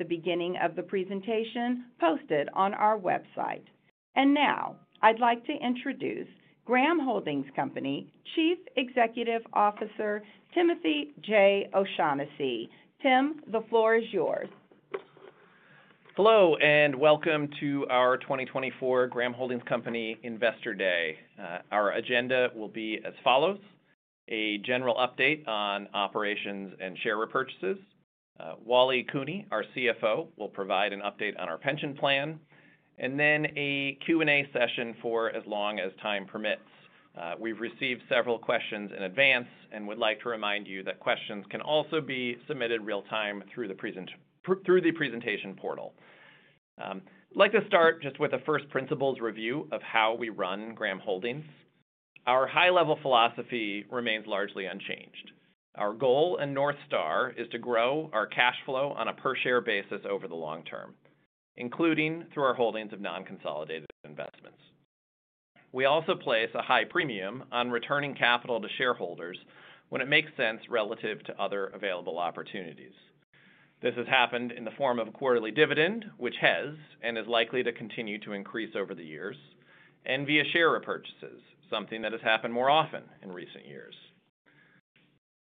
At the beginning of the presentation posted on our website, and now, I'd like to introduce Graham Holdings Company Chief Executive Officer Timothy J. O'Shaughnessy. Tim, the floor is yours. Hello, and welcome to our 2024 Graham Holdings Company Investor Day. Our agenda will be as follows: a general update on operations and share repurchases, Wallace Cooney, our CFO, will provide an update on our pension plan, and then a Q&A session for as long as time permits. We've received several questions in advance and would like to remind you that questions can also be submitted real-time through the presentation portal. I'd like to start just with a first principles review of how we run Graham Holdings. Our high-level philosophy remains largely unchanged. Our goal and North Star is to grow our cash flow on a per-share basis over the long term, including through our holdings of non-consolidated investments. We also place a high premium on returning capital to shareholders when it makes sense relative to other available opportunities. This has happened in the form of a quarterly dividend, which has and is likely to continue to increase over the years, and via share repurchases, something that has happened more often in recent years.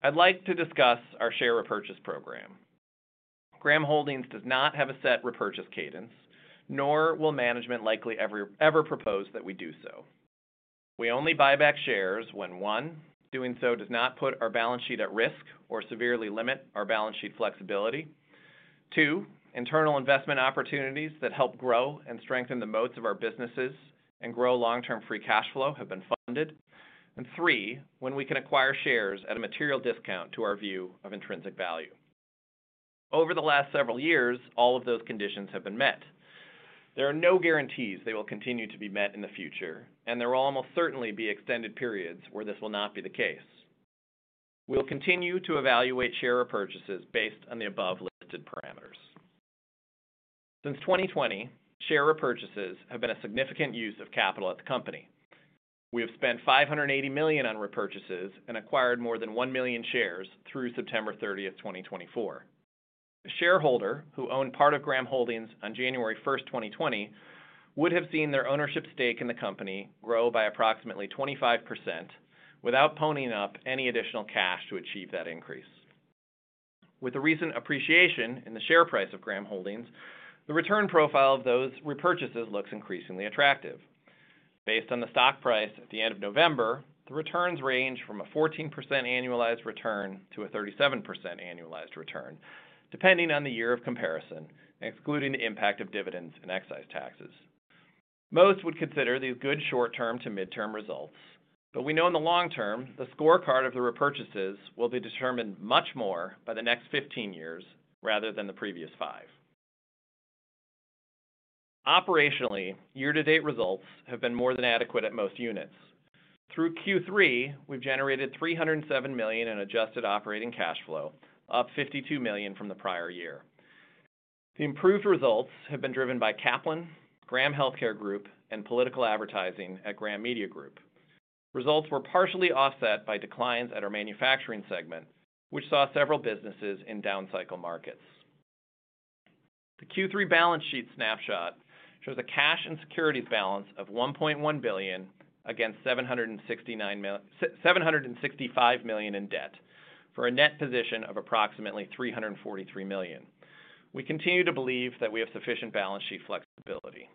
I'd like to discuss our share repurchase program. Graham Holdings does not have a set repurchase cadence, nor will management likely ever propose that we do so. We only buy back shares when, one, doing so does not put our balance sheet at risk or severely limit our balance sheet flexibility. Two, internal investment opportunities that help grow and strengthen the moats of our businesses and grow long-term free cash flow have been funded. And three, when we can acquire shares at a material discount to our view of intrinsic value. Over the last several years, all of those conditions have been met. There are no guarantees they will continue to be met in the future, and there will almost certainly be extended periods where this will not be the case. We'll continue to evaluate share repurchases based on the above-listed parameters. Since 2020, share repurchases have been a significant use of capital at the company. We have spent $580 million on repurchases and acquired more than one million shares through September 30, 2024. A shareholder who owned part of Graham Holdings on January 1, 2020, would have seen their ownership stake in the company grow by approximately 25% without ponying up any additional cash to achieve that increase. With the recent appreciation in the share price of Graham Holdings, the return profile of those repurchases looks increasingly attractive. Based on the stock price at the end of November, the returns range from a 14% annualized return to a 37% annualized return, depending on the year of comparison, excluding the impact of dividends and excise taxes. Most would consider these good short-term to mid-term results, but we know in the long term the scorecard of the repurchases will be determined much more by the next 15 years rather than the previous five. Operationally, year-to-date results have been more than adequate at most units. Through Q3, we've generated $307 million in adjusted operating cash flow, up $52 million from the prior year. The improved results have been driven by Kaplan, Graham Healthcare Group, and political advertising at Graham Media Group. Results were partially offset by declines at our manufacturing segment, which saw several businesses in down-cycle markets. The Q3 balance sheet snapshot shows a cash and securities balance of $1.1 billion against $765 million in debt for a net position of approximately $343 million. We continue to believe that we have sufficient balance sheet flexibility.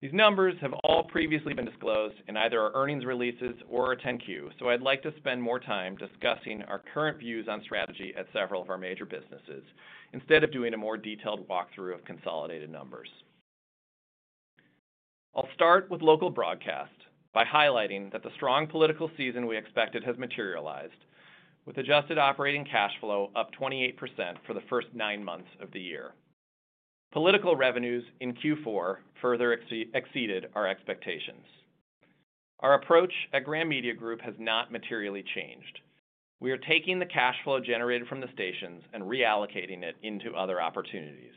These numbers have all previously been disclosed in either our earnings releases or a 10-Q, so I'd like to spend more time discussing our current views on strategy at several of our major businesses instead of doing a more detailed walkthrough of consolidated numbers. I'll start with local broadcast by highlighting that the strong political season we expected has materialized, with adjusted operating cash flow up 28% for the first nine months of the year. Political revenues in Q4 further exceeded our expectations. Our approach at Graham Media Group has not materially changed. We are taking the cash flow generated from the stations and reallocating it into other opportunities.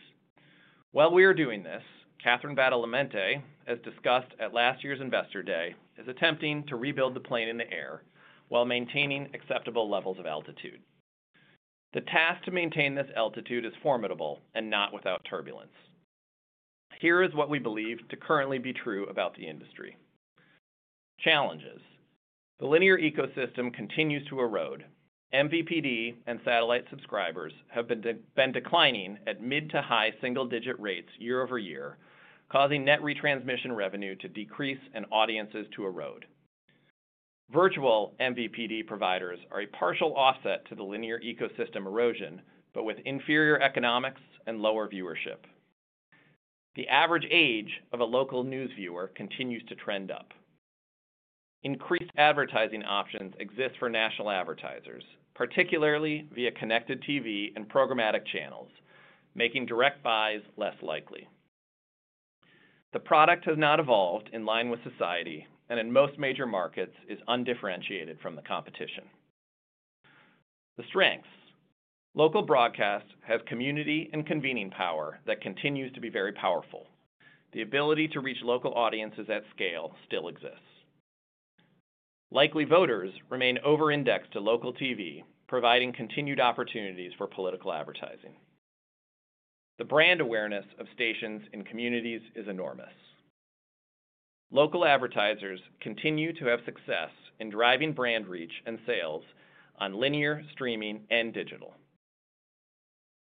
While we are doing this, Catherine Badalamente, as discussed at last year's Investor Day, is attempting to rebuild the plane in the air while maintaining acceptable levels of altitude. The task to maintain this altitude is formidable and not without turbulence. Here is what we believe to currently be true about the industry. Challenges: The linear ecosystem continues to erode. MVPD and satellite subscribers have been declining at mid to high single-digit rates year over year, causing net retransmission revenue to decrease and audiences to erode. Virtual MVPD providers are a partial offset to the T inear ecosystem erosion, but with inferior economics and lower viewership. The average age of a local news viewer continues to trend up. Increased advertising options exist for national advertisers, particularly via Connected TV and programmatic channels, making direct buys less likely. The product has not evolved in line with society and in most major markets is undifferentiated from the competition. The strengths: Local broadcast has community and convening power that continues to be very powerful. The ability to reach local audiences at scale still exists. Likely voters remain over-indexed to local TV, providing continued opportunities for political advertising. The brand awareness of stations and communities is enormous. Local advertisers continue to have success in driving brand reach and sales on linear, streaming, and digital.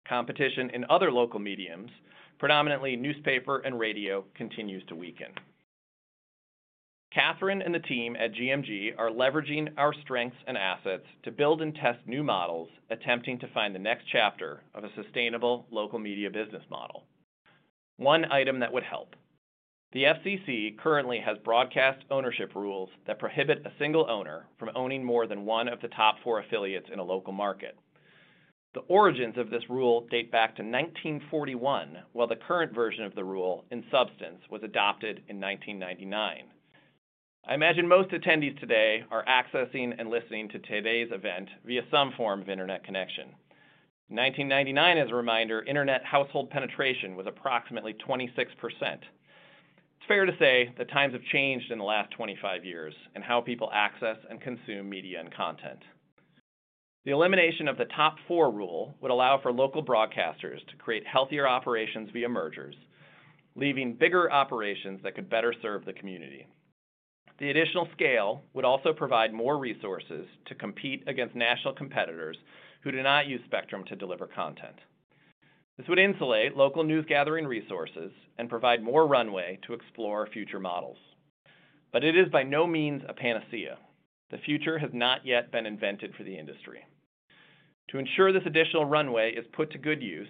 Competition in other local mediums, predominantly newspaper and radio, continues to weaken. Catherine and the team at GMG are leveraging our strengths and assets to build and test new models attempting to find the next chapter of a sustainable local media business model. One item that would help: The FCC currently has broadcast ownership rules that prohibit a single owner from owning more than one of the top four affiliates in a local market. The origins of this rule date back to 1941, while the current version of the rule, in substance, was adopted in 1999. I imagine most attendees today are accessing and listening to today's event via some form of internet connection. In 1999, as a reminder, internet household penetration was approximately 26%. It's fair to say that times have changed in the last 25 years in how people access and consume media and content. The elimination of the Top-Four Rule would allow for local broadcasters to create healthier operations via mergers, leaving bigger operations that could better serve the community. The additional scale would also provide more resources to compete against national competitors who do not use spectrum to deliver content. This would insulate local news-gathering resources and provide more runway to explore future models. But it is by no means a panacea. The future has not yet been invented for the industry. To ensure this additional runway is put to good use,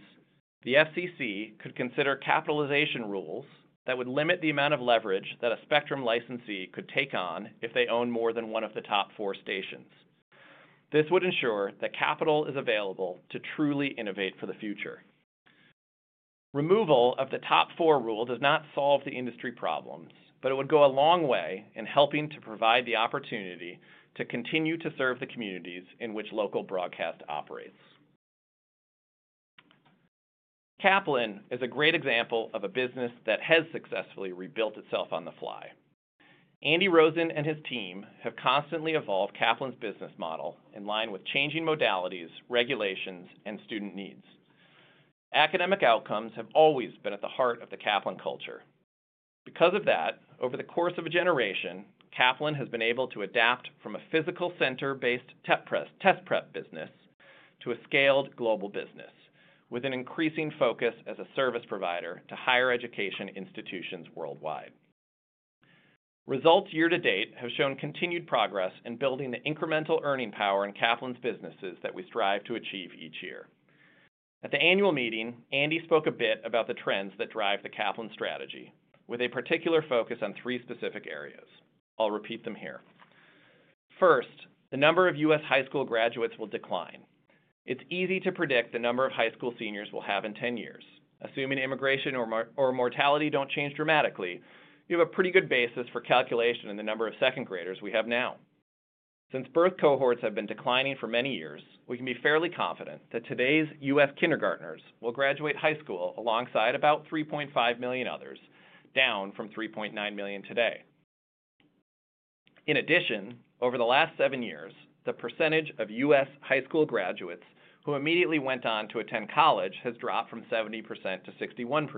the FCC could consider capitalization rules that would limit the amount of leverage that a spectrum licensee could take on if they own more than one of the top four stations. This would ensure that capital is available to truly innovate for the future. Removal of the Top-Four Rule does not solve the industry problems, but it would go a long way in helping to provide the opportunity to continue to serve the communities in which local broadcast operates. Kaplan is a great example of a business that has successfully rebuilt itself on the fly. Andy Rosen and his team have constantly evolved Kaplan's business model in line with changing modalities, regulations, and student needs. Academic outcomes have always been at the heart of the Kaplan culture. Because of that, over the course of a generation, Kaplan has been able to adapt from a physical center-based test prep business to a scaled global business, with an increasing focus as a service provider to higher education institutions worldwide. Results year-to-date have shown continued progress in building the incremental earning power in Kaplan's businesses that we strive to achieve each year. At the annual meeting, Andy spoke a bit about the trends that drive the Kaplan strategy, with a particular focus on three specific areas. I'll repeat them here. First, the number of U.S. high school graduates will decline. It's easy to predict the number of high school seniors we'll have in 10 years. Assuming immigration or mortality don't change dramatically, you have a pretty good basis for calculation in the number of second graders we have now. Since birth cohorts have been declining for many years, we can be fairly confident that today's U.S. kindergartners will graduate high school alongside about 3.5 million others, down from 3.9 million today. In addition, over the last seven years, the percentage of U.S. high school graduates who immediately went on to attend college has dropped from 70% to 61%.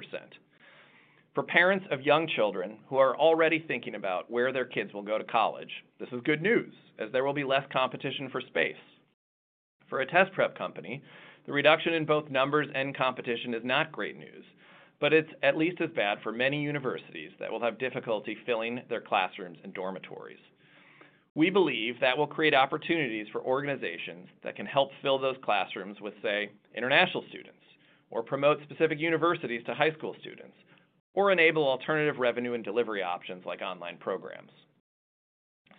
For parents of young children who are already thinking about where their kids will go to college, this is good news, as there will be less competition for space. For a test prep company, the reduction in both numbers and competition is not great news, but it's at least as bad for many universities that will have difficulty filling their classrooms and dormitories. We believe that will create opportunities for organizations that can help fill those classrooms with, say, international students, or promote specific universities to high school students, or enable alternative revenue and delivery options like online programs.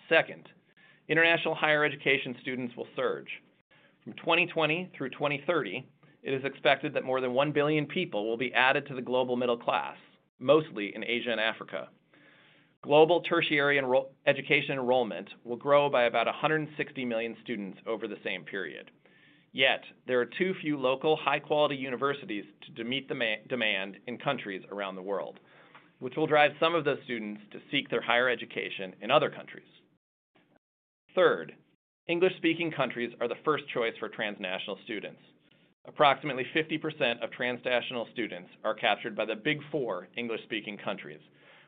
Second, international higher education students will surge. From 2020 through 2030, it is expected that more than 1 billion people will be added to the global middle class, mostly in Asia and Africa. Global tertiary education enrollment will grow by about 160 million students over the same period. Yet, there are too few local, high-quality universities to meet the demand in countries around the world, which will drive some of those students to seek their higher education in other countries. Third, English-speaking countries are the first choice for transnational students. Approximately 50% of transnational students are captured by the Big Four English-speaking countries,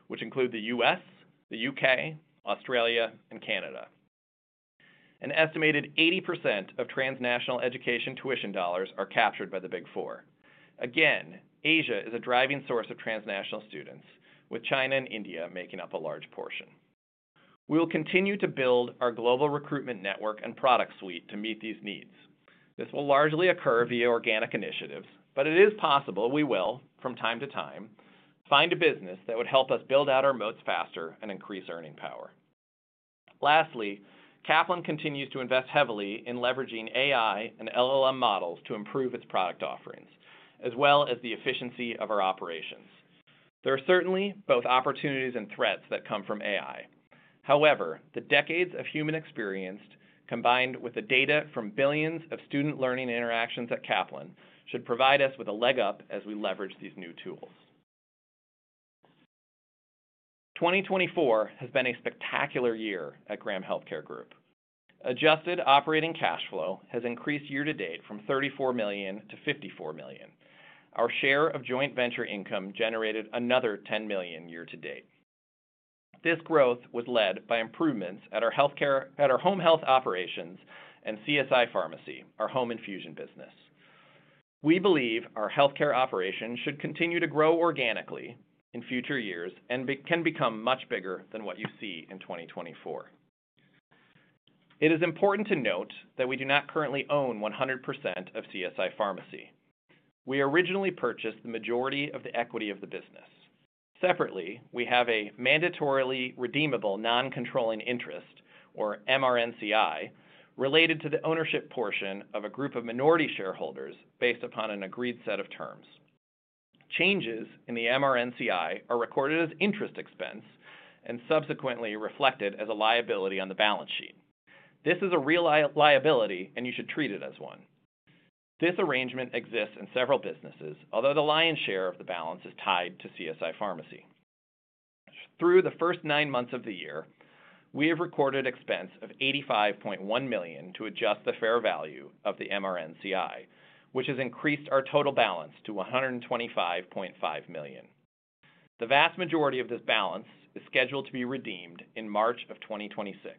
which include the U.S., the U.K., Australia, and Canada. An estimated 80% of transnational education tuition dollars are captured by the Big Four. Again, Asia is a driving source of transnational students, with China and India making up a large portion. We will continue to build our global recruitment network and product suite to meet these needs. This will largely occur via organic initiatives, but it is possible we will, from time to time, find a business that would help us build out our moats faster and increase earning power. Lastly, Kaplan continues to invest heavily in leveraging AI and LLM models to improve its product offerings, as well as the efficiency of our operations. There are certainly both opportunities and threats that come from AI. However, the decades of human experience, combined with the data from billions of student learning interactions at Kaplan, should provide us with a leg up as we leverage these new tools. 2024 has been a spectacular year at Graham Healthcare Group. Adjusted operating cash flow has increased year-to-date from $34 million to $54 million. Our share of joint venture income generated another $10 million year-to-date. This growth was led by improvements at our home health operations and CSI Pharmacy, our home infusion business. We believe our healthcare operations should continue to grow organically in future years and can become much bigger than what you see in 2024. It is important to note that we do not currently own 100% of CSI Pharmacy. We originally purchased the majority of the equity of the business. Separately, we have a mandatorily redeemable non-controlling interest, or MRNCI, related to the ownership portion of a group of minority shareholders based upon an agreed set of terms. Changes in the MRNCI are recorded as interest expense and subsequently reflected as a liability on the balance sheet. This is a real liability, and you should treat it as one. This arrangement exists in several businesses, although the lion's share of the balance is tied to CSI Pharmacy. Through the first nine months of the year, we have recorded expense of $85.1 million to adjust the fair value of the MRNCI, which has increased our total balance to $125.5 million. The vast majority of this balance is scheduled to be redeemed in March of 2026.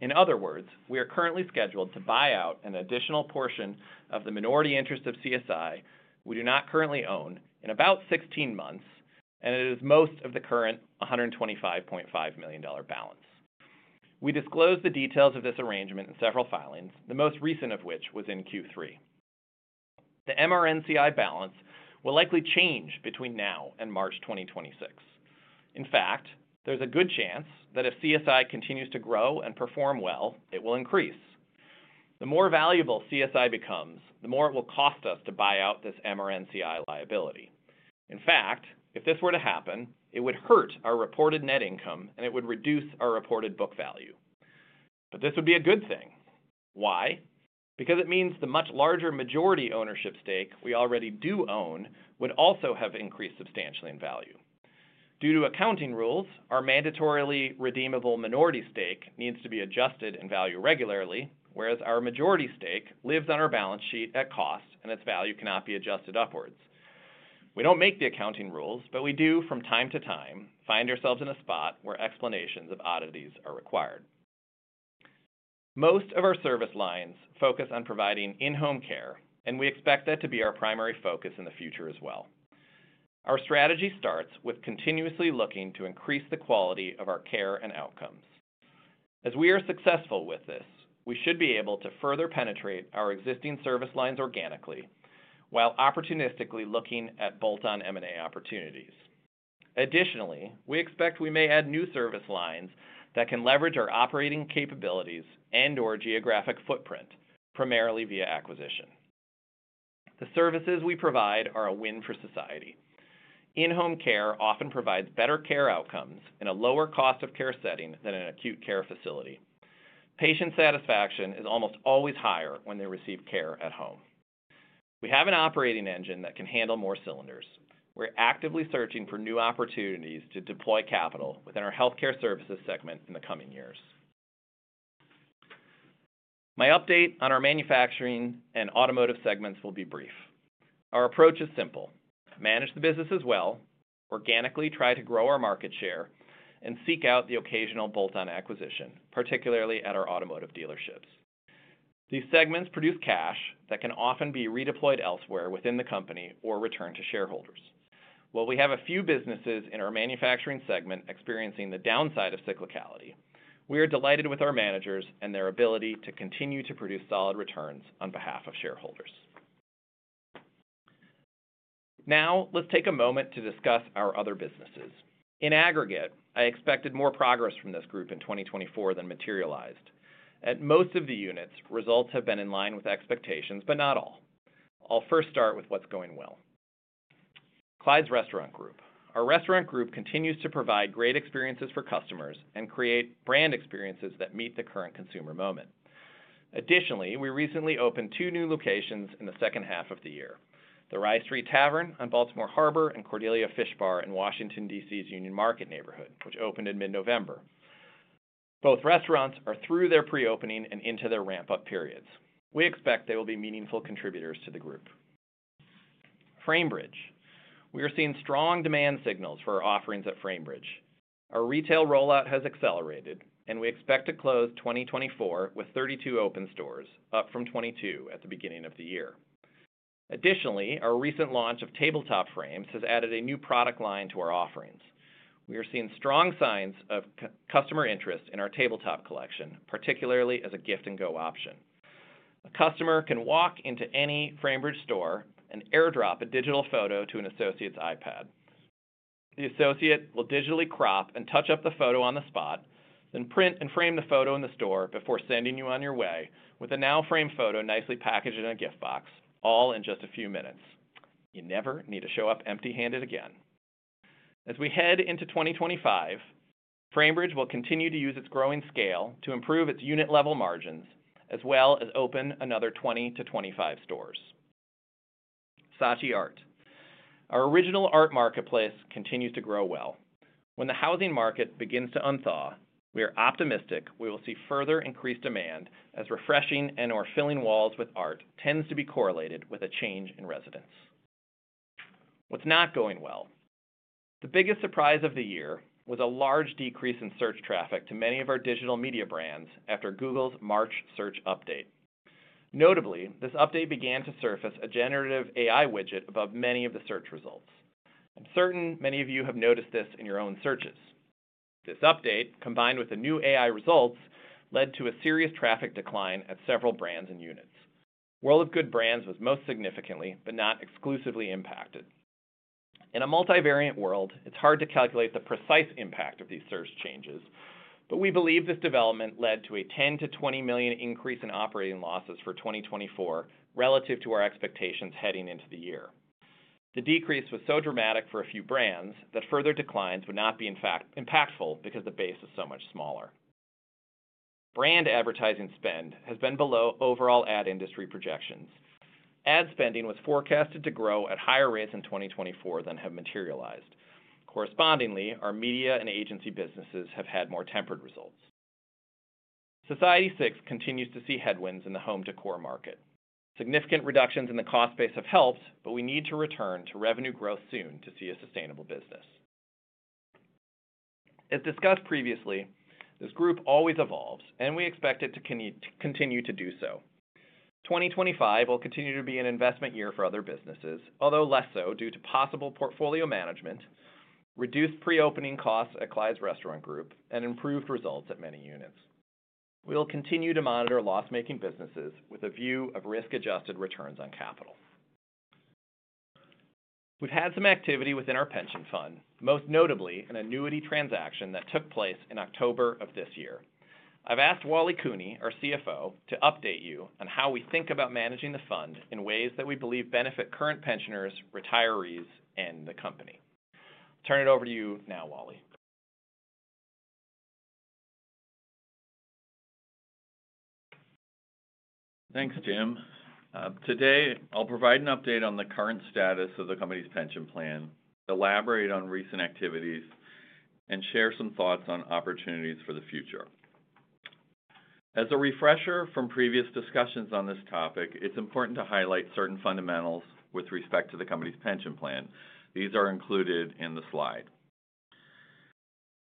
In other words, we are currently scheduled to buy out an additional portion of the minority interest of CSI we do not currently own in about 16 months, and it is most of the current $125.5 million balance. We disclosed the details of this arrangement in several filings, the most recent of which was in Q3. The MRNCI balance will likely change between now and March 2026. In fact, there's a good chance that if CSI continues to grow and perform well, it will increase. The more valuable CSI becomes, the more it will cost us to buy out this MRNCI liability. In fact, if this were to happen, it would hurt our reported net income, and it would reduce our reported book value. But this would be a good thing. Why? Because it means the much larger majority ownership stake we already do own would also have increased substantially in value. Due to accounting rules, our mandatorily redeemable minority stake needs to be adjusted in value regularly, whereas our majority stake lives on our balance sheet at cost, and its value cannot be adjusted upwards. We don't make the accounting rules, but we do, from time to time, find ourselves in a spot where explanations of oddities are required. Most of our service lines focus on providing in-home care, and we expect that to be our primary focus in the future as well. Our strategy starts with continuously looking to increase the quality of our care and outcomes. As we are successful with this, we should be able to further penetrate our existing service lines organically while opportunistically looking at bolt-on M&A opportunities. Additionally, we expect we may add new service lines that can leverage our operating capabilities and/or geographic footprint, primarily via acquisition. The services we provide are a win for society. In-home care often provides better care outcomes in a lower cost of care setting than an acute care facility. Patient satisfaction is almost always higher when they receive care at home. We have an operating engine that can handle more cylinders. We're actively searching for new opportunities to deploy capital within our healthcare services segment in the coming years. My update on our manufacturing and automotive segments will be brief. Our approach is simple: manage the businesses well, organically try to grow our market share, and seek out the occasional bolt-on acquisition, particularly at our automotive dealerships. These segments produce cash that can often be redeployed elsewhere within the company or returned to shareholders. While we have a few businesses in our manufacturing segment experiencing the downside of cyclicality, we are delighted with our managers and their ability to continue to produce solid returns on behalf of shareholders. Now, let's take a moment to discuss our other businesses. In aggregate, I expected more progress from this group in 2024 than materialized. At most of the units, results have been in line with expectations, but not all. I'll first start with what's going well. Clyde's Restaurant Group. Our restaurant group continues to provide great experiences for customers and create brand experiences that meet the current consumer moment. Additionally, we recently opened two new locations in the second half of the year: the Rye Street Tavern on Baltimore Harbor and Cordelia Fish Bar in Washington, D.C.'s Union Market neighborhood, which opened in mid-November. Both restaurants are through their pre-opening and into their ramp-up periods. We expect they will be meaningful contributors to the group. Framebridge. We are seeing strong demand signals for our offerings at Framebridge. Our retail rollout has accelerated, and we expect to close 2024 with 32 open stores, up from 22 at the beginning of the year. Additionally, our recent launch of tabletop frames has added a new product line to our offerings. We are seeing strong signs of customer interest in our tabletop collection, particularly as a gift-and-go option. A customer can walk into any Framebridge store and AirDrop a digital photo to an associate's iPad. The associate will digitally crop and touch up the photo on the spot, then print and frame the photo in the store before sending you on your way with a now-framed photo nicely packaged in a gift box, all in just a few minutes. You never need to show up empty-handed again. As we head into 2025, Framebridge will continue to use its growing scale to improve its unit-level margins, as well as open another 20-25 stores. Saatchi Art. Our original art marketplace continues to grow well. When the housing market begins to unthaw, we are optimistic we will see further increased demand as refreshing and/or filling walls with art tends to be correlated with a change in residents. What's not going well? The biggest surprise of the year was a large decrease in search traffic to many of our digital media brands after Google's March search update. Notably, this update began to surface a generative AI widget above many of the search results. I'm certain many of you have noticed this in your own searches. This update, combined with the new AI results, led to a serious traffic decline at several brands and units. World of Good Brands was most significantly, but not exclusively, impacted. In a multivariate world, it's hard to calculate the precise impact of these search changes, but we believe this development led to a $10-$20 million increase in operating losses for 2024 relative to our expectations heading into the year. The decrease was so dramatic for a few brands that further declines would not be impactful because the base is so much smaller. Brand advertising spend has been below overall ad industry projections. Ad spending was forecasted to grow at higher rates in 2024 than had materialized. Correspondingly, our media and agency businesses have had more tempered results. Society6 continues to see headwinds in the home decor market. Significant reductions in the cost base have helped, but we need to return to revenue growth soon to see a sustainable business. As discussed previously, this group always evolves, and we expect it to continue to do so. 2025 will continue to be an investment year for other businesses, although less so due to possible portfolio management, reduced pre-opening costs at Clyde's Restaurant Group, and improved results at many units. We will continue to monitor loss-making businesses with a view of risk-adjusted returns on capital. We've had some activity within our pension fund, most notably an annuity transaction that took place in October of this year. I've asked Wally Cooney, our CFO, to update you on how we think about managing the fund in ways that we believe benefit current pensioners, retirees, and the company. I'll turn it over to you now, Wally. Thanks, Tim. Today, I'll provide an update on the current status of the company's pension plan, elaborate on recent activities, and share some thoughts on opportunities for the future. As a refresher from previous discussions on this topic, it's important to highlight certain fundamentals with respect to the company's pension plan. These are included in the slide.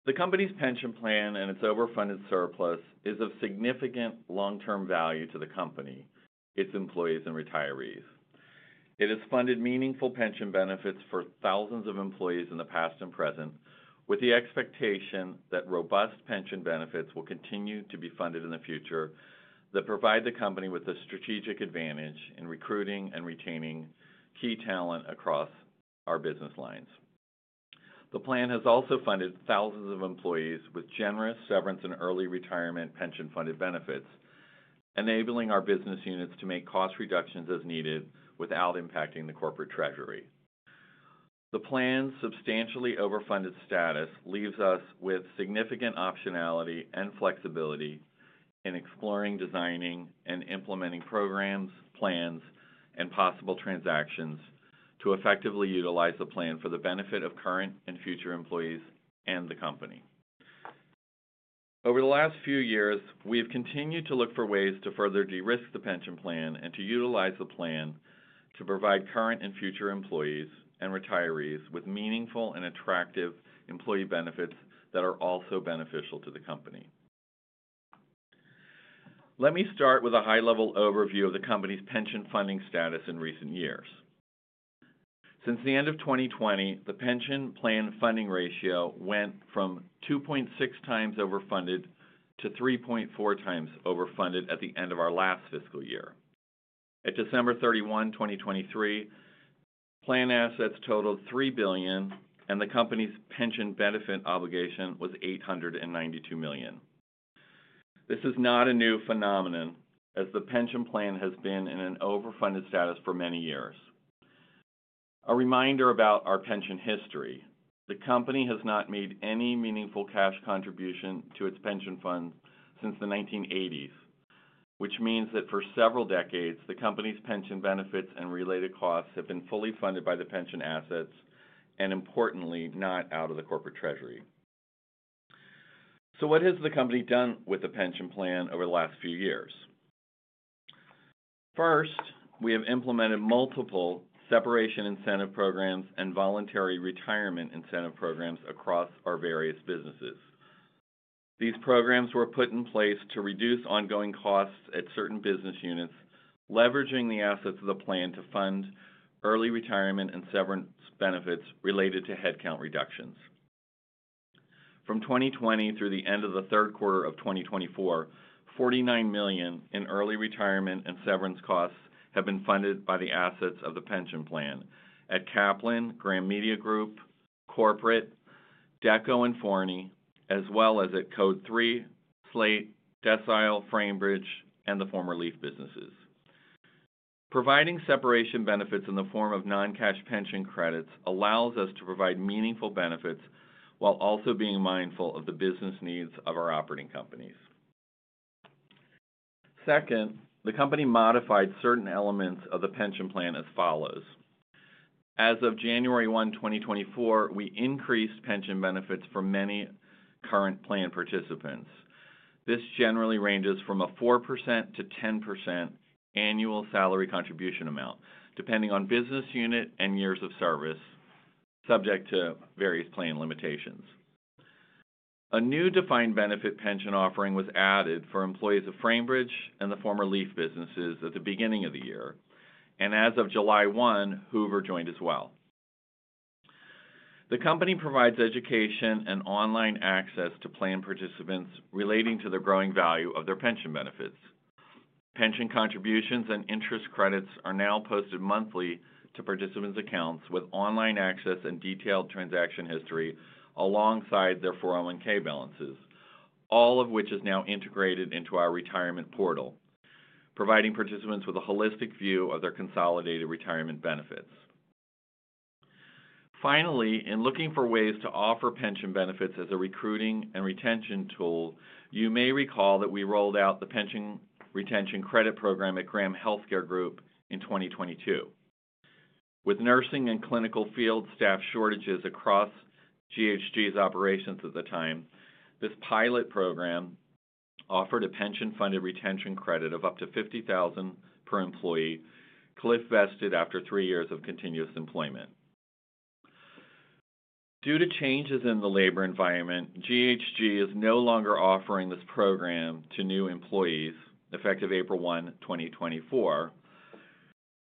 The company's pension plan and its overfunded surplus is of significant long-term value to the company, its employees, and retirees. It has funded meaningful pension benefits for thousands of employees in the past and present, with the expectation that robust pension benefits will continue to be funded in the future that provide the company with a strategic advantage in recruiting and retaining key talent across our business lines. The plan has also funded thousands of employees with generous severance and early retirement pension-funded benefits, enabling our business units to make cost reductions as needed without impacting the corporate treasury. The plan's substantially overfunded status leaves us with significant optionality and flexibility in exploring, designing, and implementing programs, plans, and possible transactions to effectively utilize the plan for the benefit of current and future employees and the company. Over the last few years, we have continued to look for ways to further de-risk the pension plan and to utilize the plan to provide current and future employees and retirees with meaningful and attractive employee benefits that are also beneficial to the company. Let me start with a high-level overview of the company's pension funding status in recent years. Since the end of 2020, the pension plan funding ratio went from 2.6 times overfunded to 3.4 times overfunded at the end of our last fiscal year. At December 31, 2023, plan assets totaled $3 billion, and the company's pension benefit obligation was $892 million. This is not a new phenomenon, as the pension plan has been in an overfunded status for many years. A reminder about our pension history: the company has not made any meaningful cash contribution to its pension funds since the 1980s, which means that for several decades, the company's pension benefits and related costs have been fully funded by the pension assets and, importantly, not out of the corporate treasury. So what has the company done with the pension plan over the last few years? First, we have implemented multiple separation incentive programs and voluntary retirement incentive programs across our various businesses. These programs were put in place to reduce ongoing costs at certain business units, leveraging the assets of the plan to fund early retirement and severance benefits related to headcount reductions. From 2020 through the end of the third quarter of 2024, $49 million in early retirement and severance costs have been funded by the assets of the pension plan at Kaplan, Graham Media Group, Corporate, Dekko and Forney, as well as at Code3, Slate, Decile, Framebridge, and the former Leaf businesses. Providing separation benefits in the form of non-cash pension credits allows us to provide meaningful benefits while also being mindful of the business needs of our operating companies. Second, the company modified certain elements of the pension plan as follows. As of January 1, 2024, we increased pension benefits for many current plan participants. This generally ranges from a 4%-10% annual salary contribution amount, depending on business unit and years of service, subject to various plan limitations. A new defined benefit pension offering was added for employees of Framebridge and the former Leaf businesses at the beginning of the year, and as of July 1, Hoover joined as well. The company provides education and online access to plan participants relating to the growing value of their pension benefits. Pension contributions and interest credits are now posted monthly to participants' accounts with online access and detailed transaction history alongside their 401(k) balances, all of which is now integrated into our retirement portal, providing participants with a holistic view of their consolidated retirement benefits. Finally, in looking for ways to offer pension benefits as a recruiting and retention tool, you may recall that we rolled out the pension retention credit program at Graham Healthcare Group in 2022. With nursing and clinical field staff shortages across GHG's operations at the time, this pilot program offered a pension-funded retention credit of up to $50,000 per employee, cliff-vested after three years of continuous employment. Due to changes in the labor environment, GHG is no longer offering this program to new employees, effective April 1, 2024.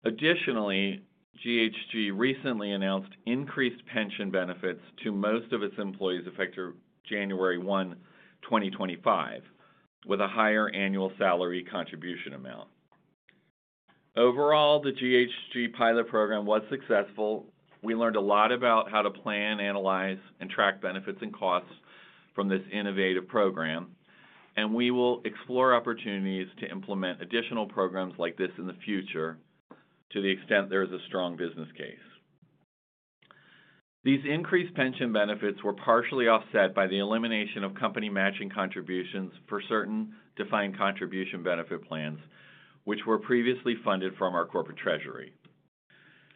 Additionally, GHG recently announced increased pension benefits to most of its employees effective January 1, 2025, with a higher annual salary contribution amount. Overall, the GHG pilot program was successful. We learned a lot about how to plan, analyze, and track benefits and costs from this innovative program, and we will explore opportunities to implement additional programs like this in the future to the extent there is a strong business case. These increased pension benefits were partially offset by the elimination of company matching contributions for certain defined contribution benefit plans, which were previously funded from our corporate treasury.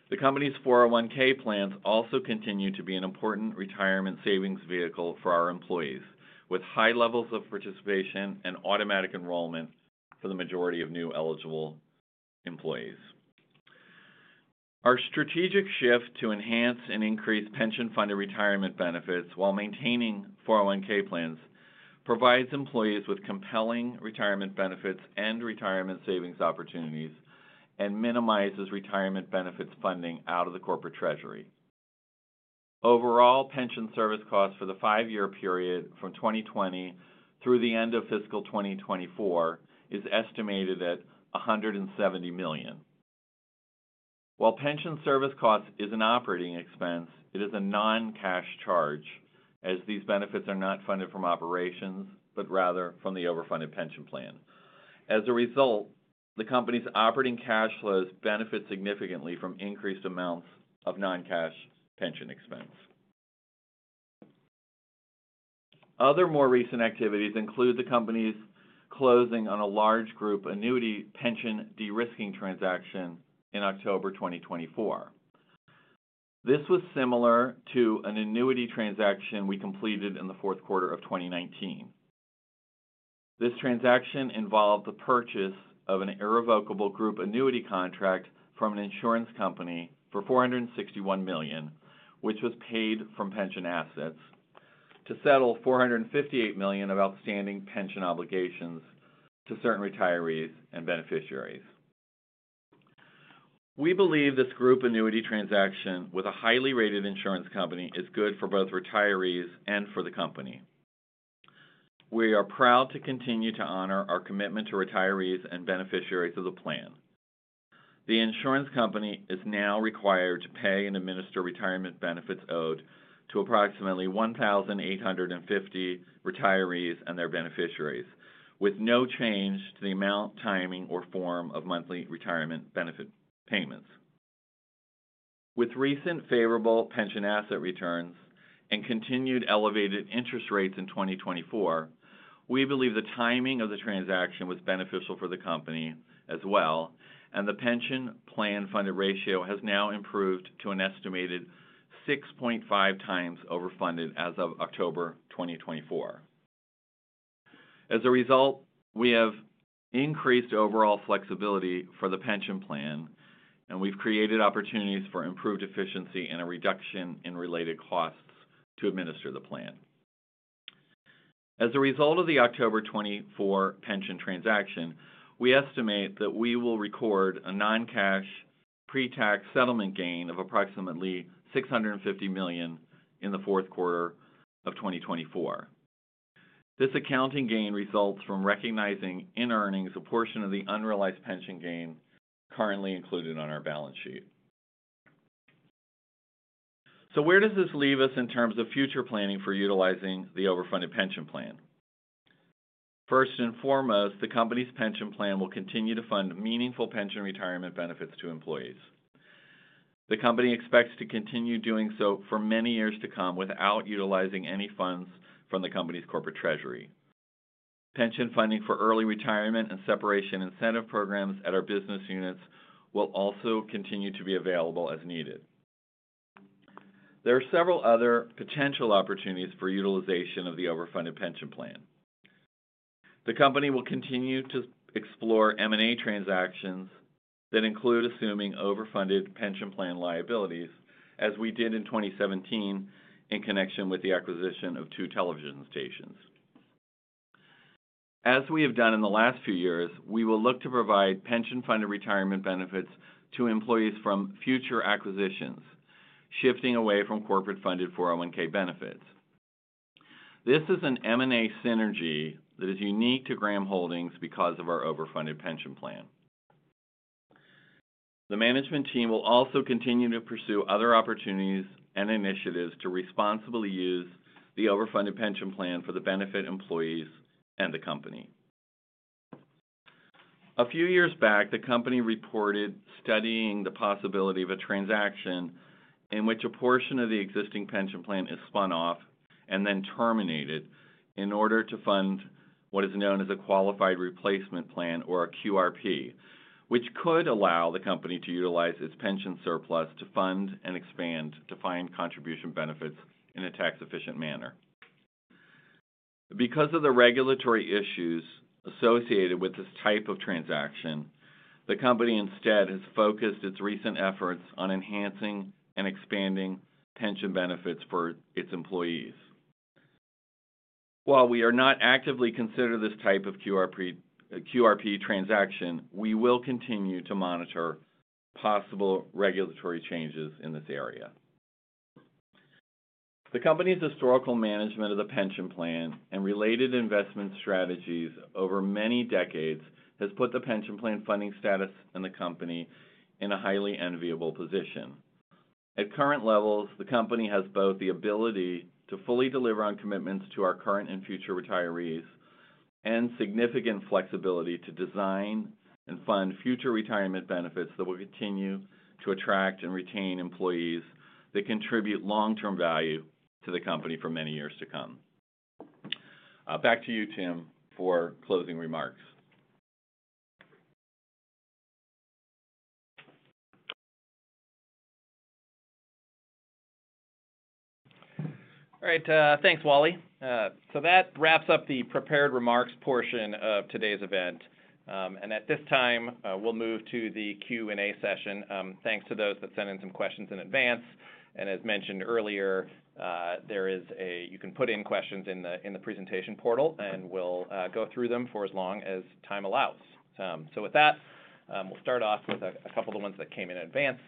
The company's 401(k) plans also continue to be an important retirement savings vehicle for our employees, with high levels of participation and automatic enrollment for the majority of new eligible employees. Our strategic shift to enhance and increase pension-funded retirement benefits while maintaining 401(k) plans provides employees with compelling retirement benefits and retirement savings opportunities and minimizes retirement benefits funding out of the corporate treasury. Overall, pension service costs for the five-year period from 2020 through the end of fiscal 2024 is estimated at $170 million. While pension service costs is an operating expense, it is a non-cash charge, as these benefits are not funded from operations, but rather from the overfunded pension plan. As a result, the company's operating cash flows benefit significantly from increased amounts of non-cash pension expense. Other more recent activities include the company's closing on a large group annuity pension de-risking transaction in October 2024. This was similar to an annuity transaction we completed in the fourth quarter of 2019. This transaction involved the purchase of an irrevocable group annuity contract from an insurance company for $461 million, which was paid from pension assets, to settle $458 million of outstanding pension obligations to certain retirees and beneficiaries. We believe this group annuity transaction with a highly rated insurance company is good for both retirees and for the company. We are proud to continue to honor our commitment to retirees and beneficiaries of the plan. The insurance company is now required to pay and administer retirement benefits owed to approximately 1,850 retirees and their beneficiaries, with no change to the amount, timing, or form of monthly retirement benefit payments. With recent favorable pension asset returns and continued elevated interest rates in 2024, we believe the timing of the transaction was beneficial for the company as well, and the pension plan funded ratio has now improved to an estimated 6.5 times overfunded as of October 2024. As a result, we have increased overall flexibility for the pension plan, and we've created opportunities for improved efficiency and a reduction in related costs to administer the plan. As a result of the October 24 pension transaction, we estimate that we will record a non-cash pre-tax settlement gain of approximately $650 million in the fourth quarter of 2024. This accounting gain results from recognizing in earnings a portion of the unrealized pension gain currently included on our balance sheet. So where does this leave us in terms of future planning for utilizing the overfunded pension plan? First and foremost, the company's pension plan will continue to fund meaningful pension retirement benefits to employees. The company expects to continue doing so for many years to come without utilizing any funds from the company's corporate treasury. Pension funding for early retirement and separation incentive programs at our business units will also continue to be available as needed. There are several other potential opportunities for utilization of the overfunded pension plan. The company will continue to explore M&A transactions that include assuming overfunded pension plan liabilities, as we did in 2017 in connection with the acquisition of two television stations. As we have done in the last few years, we will look to provide pension-funded retirement benefits to employees from future acquisitions, shifting away from corporate-funded 401(k) benefits. This is an M&A synergy that is unique to Graham Holdings because of our overfunded pension plan. The management team will also continue to pursue other opportunities and initiatives to responsibly use the overfunded pension plan for the benefit of employees and the company. A few years back, the company reported studying the possibility of a transaction in which a portion of the existing pension plan is spun off and then terminated in order to fund what is known as a qualified replacement plan or a QRP, which could allow the company to utilize its pension surplus to fund and expand defined contribution benefits in a tax-efficient manner. Because of the regulatory issues associated with this type of transaction, the company instead has focused its recent efforts on enhancing and expanding pension benefits for its employees. While we are not actively considered this type of QRP transaction, we will continue to monitor possible regulatory changes in this area. The company's historical management of the pension plan and related investment strategies over many decades has put the pension plan funding status and the company in a highly enviable position. At current levels, the company has both the ability to fully deliver on commitments to our current and future retirees and significant flexibility to design and fund future retirement benefits that will continue to attract and retain employees that contribute long-term value to the company for many years to come. Back to you, Tim, for closing remarks. All right. Thanks, Wallace. That wraps up the prepared remarks portion of today's event. At this time, we'll move to the Q&A session. Thanks to those that sent in some questions in advance. As mentioned earlier, you can put in questions in the presentation portal, and we'll go through them for as long as time allows. With that, we'll start off with a couple of the ones that came in advance.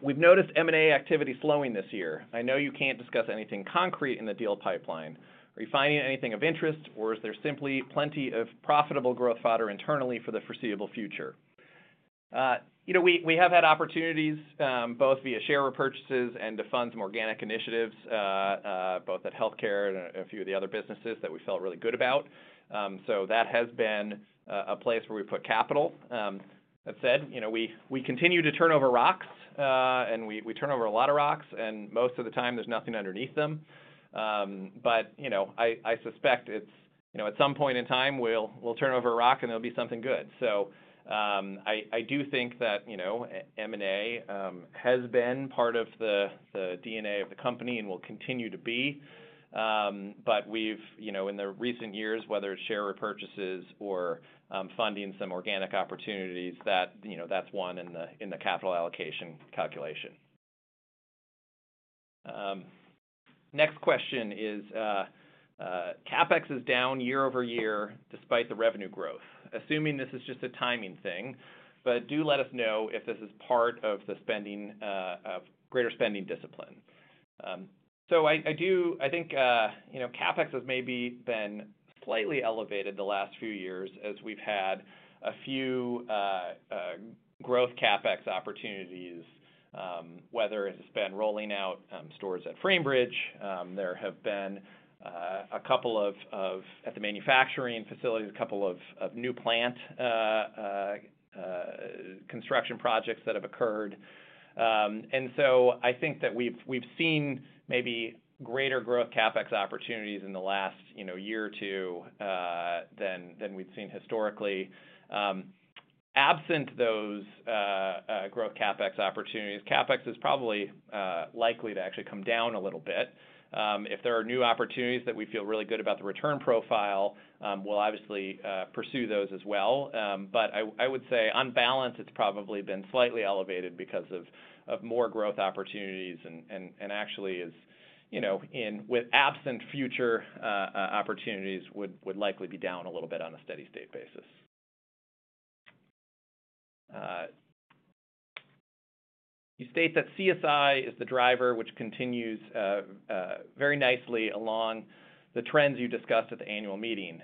We've noticed M&A activity slowing this year. I know you can't discuss anything concrete in the deal pipeline. Are you finding anything of interest, or is there simply plenty of profitable growth fodder internally for the foreseeable future? We have had opportunities both via share repurchases and to fund some organic initiatives, both at Healthcare and a few of the other businesses that we felt really good about. That has been a place where we put capital. That said, we continue to turn over rocks, and we turn over a lot of rocks, and most of the time, there's nothing underneath them. But I suspect at some point in time, we'll turn over a rock, and there'll be something good. So I do think that M&A has been part of the DNA of the company and will continue to be. But in the recent years, whether it's share repurchases or funding some organic opportunities, that's one in the capital allocation calculation. Next question is, CapEx is down year over year despite the revenue growth. Assuming this is just a timing thing, but do let us know if this is part of the greater spending discipline. I think CapEx has maybe been slightly elevated the last few years as we've had a few growth CapEx opportunities, whether it's been rolling out stores at Framebridge. There have been a couple of, at the manufacturing facilities, a couple of new plant construction projects that have occurred. I think that we've seen maybe greater growth CapEx opportunities in the last year or two than we've seen historically. Absent those growth CapEx opportunities, CapEx is probably likely to actually come down a little bit. If there are new opportunities that we feel really good about the return profile, we'll obviously pursue those as well. I would say on balance, it's probably been slightly elevated because of more growth opportunities and actually is with absent future opportunities, would likely be down a little bit on a steady-state basis. You state that CSI is the driver, which continues very nicely along the trends you discussed at the annual meeting.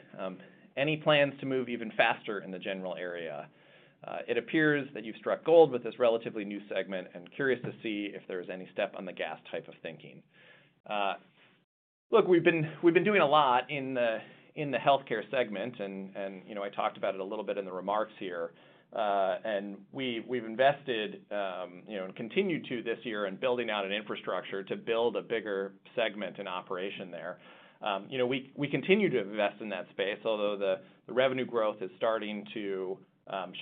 Any plans to move even faster in the general area? It appears that you've struck gold with this relatively new segment and curious to see if there is any step on the gas type of thinking. Look, we've been doing a lot in the healthcare segment, and I talked about it a little bit in the remarks here, and we've invested and continue to this year in building out an infrastructure to build a bigger segment and operation there. We continue to invest in that space, although the revenue growth is starting to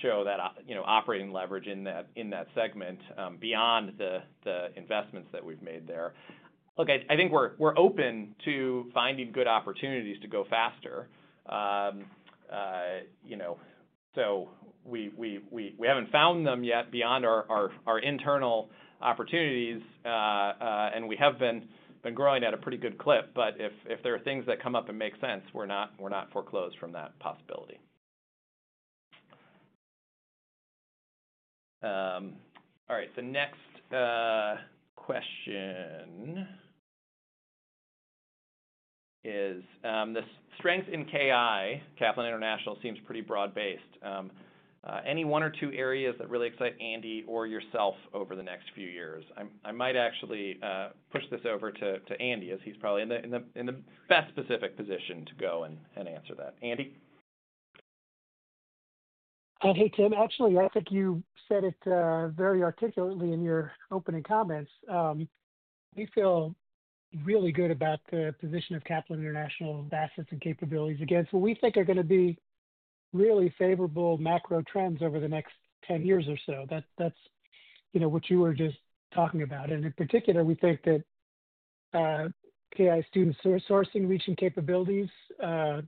show that operating leverage in that segment beyond the investments that we've made there. Look, I think we're open to finding good opportunities to go faster. We haven't found them yet beyond our internal opportunities, and we have been growing at a pretty good clip. But if there are things that come up and make sense, we're not foreclosed from that possibility. All right. The next question is, the strength in KI, Kaplan International, seems pretty broad-based. Any one or two areas that really excite Andy or yourself over the next few years? I might actually push this over to Andy, as he's probably in the best specific position to go and answer that. Andy? Hey, Tim. Actually, I think you said it very articulately in your opening comments. We feel really good about the position of Kaplan International. Assets and capabilities against what we think are going to be really favorable macro trends over the next 10 years or so. That's what you were just talking about. In particular, we think that KI student sourcing, reaching capabilities are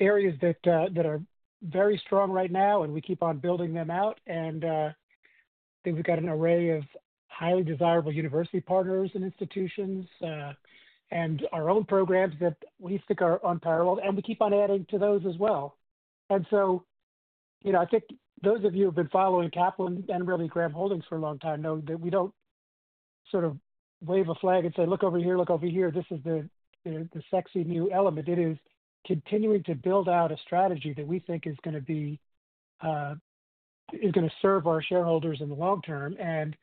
areas that are very strong right now, and we keep on building them out. And I think we've got an array of highly desirable university partners and institutions and our own programs that we think are unparalleled, and we keep on adding to those as well. And so I think those of you who have been following Kaplan and really Graham Holdings for a long time know that we don't sort of wave a flag and say, "Look over here. Look over here. This is the sexy new element." It is continuing to build out a strategy that we think is going to serve our shareholders in the long term. And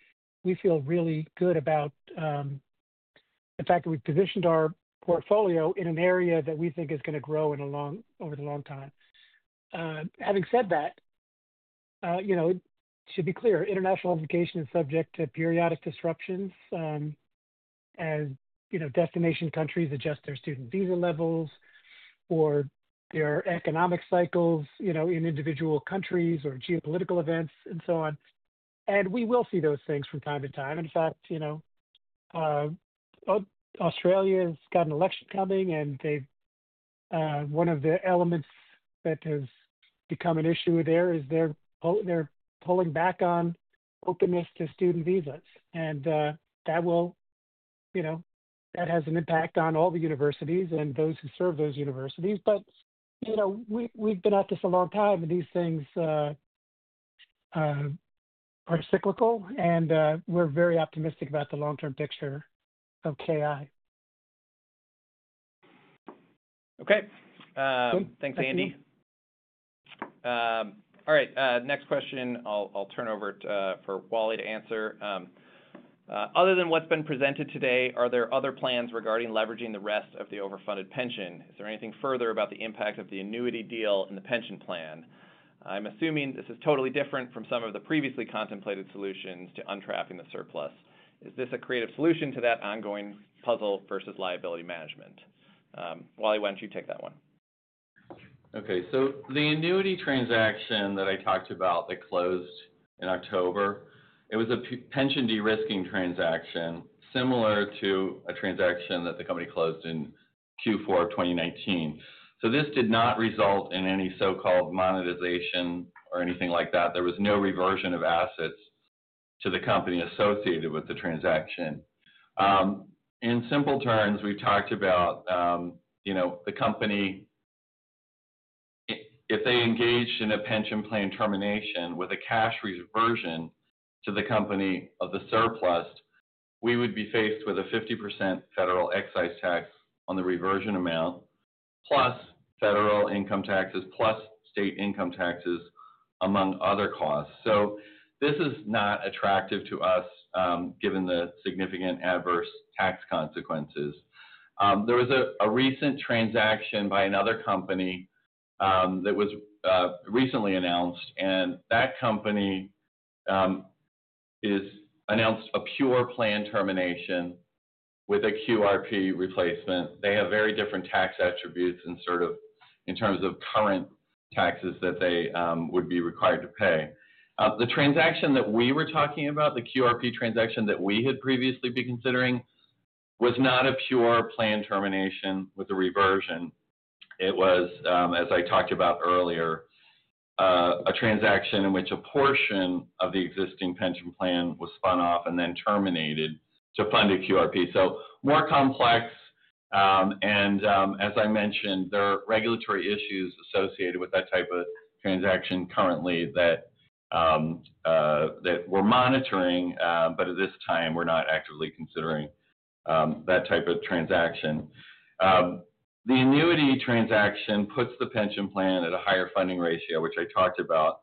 we feel really good about the fact that we've positioned our portfolio in an area that we think is going to grow over the long time. Having said that, to be clear, international education is subject to periodic disruptions as destination countries adjust their student visa levels or their economic cycles in individual countries or geopolitical events and so on. And we will see those things from time to time. In fact, Australia has got an election coming, and one of the elements that has become an issue there is they're pulling back on openness to student visas. And that has an impact on all the universities and those who serve those universities. But we've been at this a long time, and these things are cyclical, and we're very optimistic about the long-term picture of KI. Okay. Thanks, Andy. All right. Next question. I'll turn over for Wallace to answer. Other than what's been presented today, are there other plans regarding leveraging the rest of the overfunded pension? Is there anything further about the impact of the annuity deal in the pension plan? I'm assuming this is totally different from some of the previously contemplated solutions to untrapping the surplus. Is this a creative solution to that ongoing puzzle versus liability management? Wallace, why don't you take that one? Okay. So the annuity transaction that I talked about that closed in October, it was a pension de-risking transaction similar to a transaction that the company closed in Q4 of 2019. So this did not result in any so-called monetization or anything like that. There was no reversion of assets to the company associated with the transaction. In simple terms, we talked about the company, if they engaged ina pension plan termination with a cash reversion to the company of the surplus, we would be faced with a 50% federal excise tax on the reversion amount, plus federal income taxes, plus state income taxes, among other costs. So this is not attractive to us given the significant adverse tax consequences. There was a recent transaction by another company that was recently announced, and that company announced a pure plan termination with a QRP replacement. They have very different tax attributes in terms of current taxes that they would be required to pay. The transaction that we were talking about, the QRP transaction that we had previously been considering, was not a pure plan termination with a reversion. It was, as I talked about earlier, a transaction in which a portion of the existing pension plan was spun off and then terminated to fund a QRP. So more complex. And as I mentioned, there are regulatory issues associated with that type of transaction currently that we're monitoring, but at this time, we're not actively considering that type of transaction. The annuity transaction puts the pension plan at a higher funding ratio, which I talked about,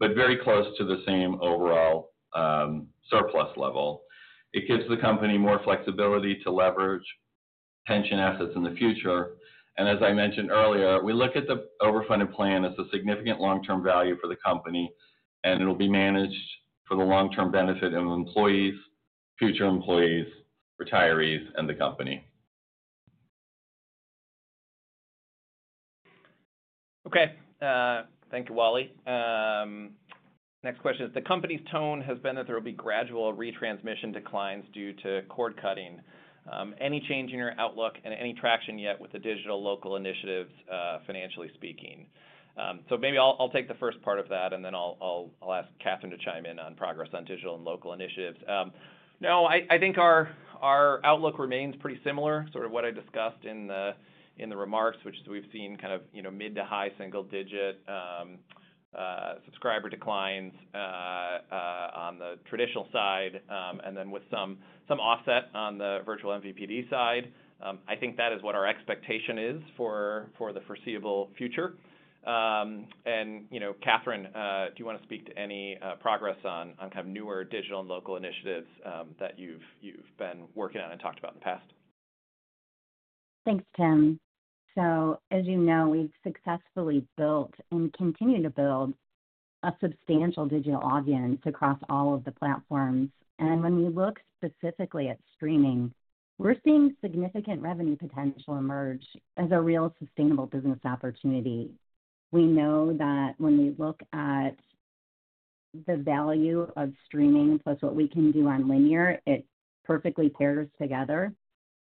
but very close to the same overall surplus level. It gives the company more flexibility to leverage pension assets in the future. And as I mentioned earlier, we look at the overfunded plan as a significant long-term value for the company, and it'll be managed for the long-term benefit of employees, future employees, retirees, and the company. Okay. Thank you, Wallace. Next question is, the company's tone has been that there will be gradual retransmission declines due to cord cutting. Any change in your outlook and any traction yet with the digital local initiatives, financially speaking? So maybe I'll take the first part of that, and then I'll ask Catherine to chime in on progress on digital and local initiatives. No, I think our outlook remains pretty similar, sort of what I discussed in the remarks, which we've seen kind of mid to high single-digit subscriber declines on the traditional side, and then with some offset on the virtual MVPD side. I think that is what our expectation is for the foreseeable future. And Catherine, do you want to speak to any progress on kind of newer digital and local initiatives that you've been working on and talked about in the past? Thanks, Tim. So as you know, we've successfully built and continue to build a substantial digital audience across all of the platforms. And when we look specifically at streaming, we're seeing significant revenue potential emerge as a real sustainable business opportunity. We know that when we look at the value of streaming plus what we can do on linear, it perfectly pairs together.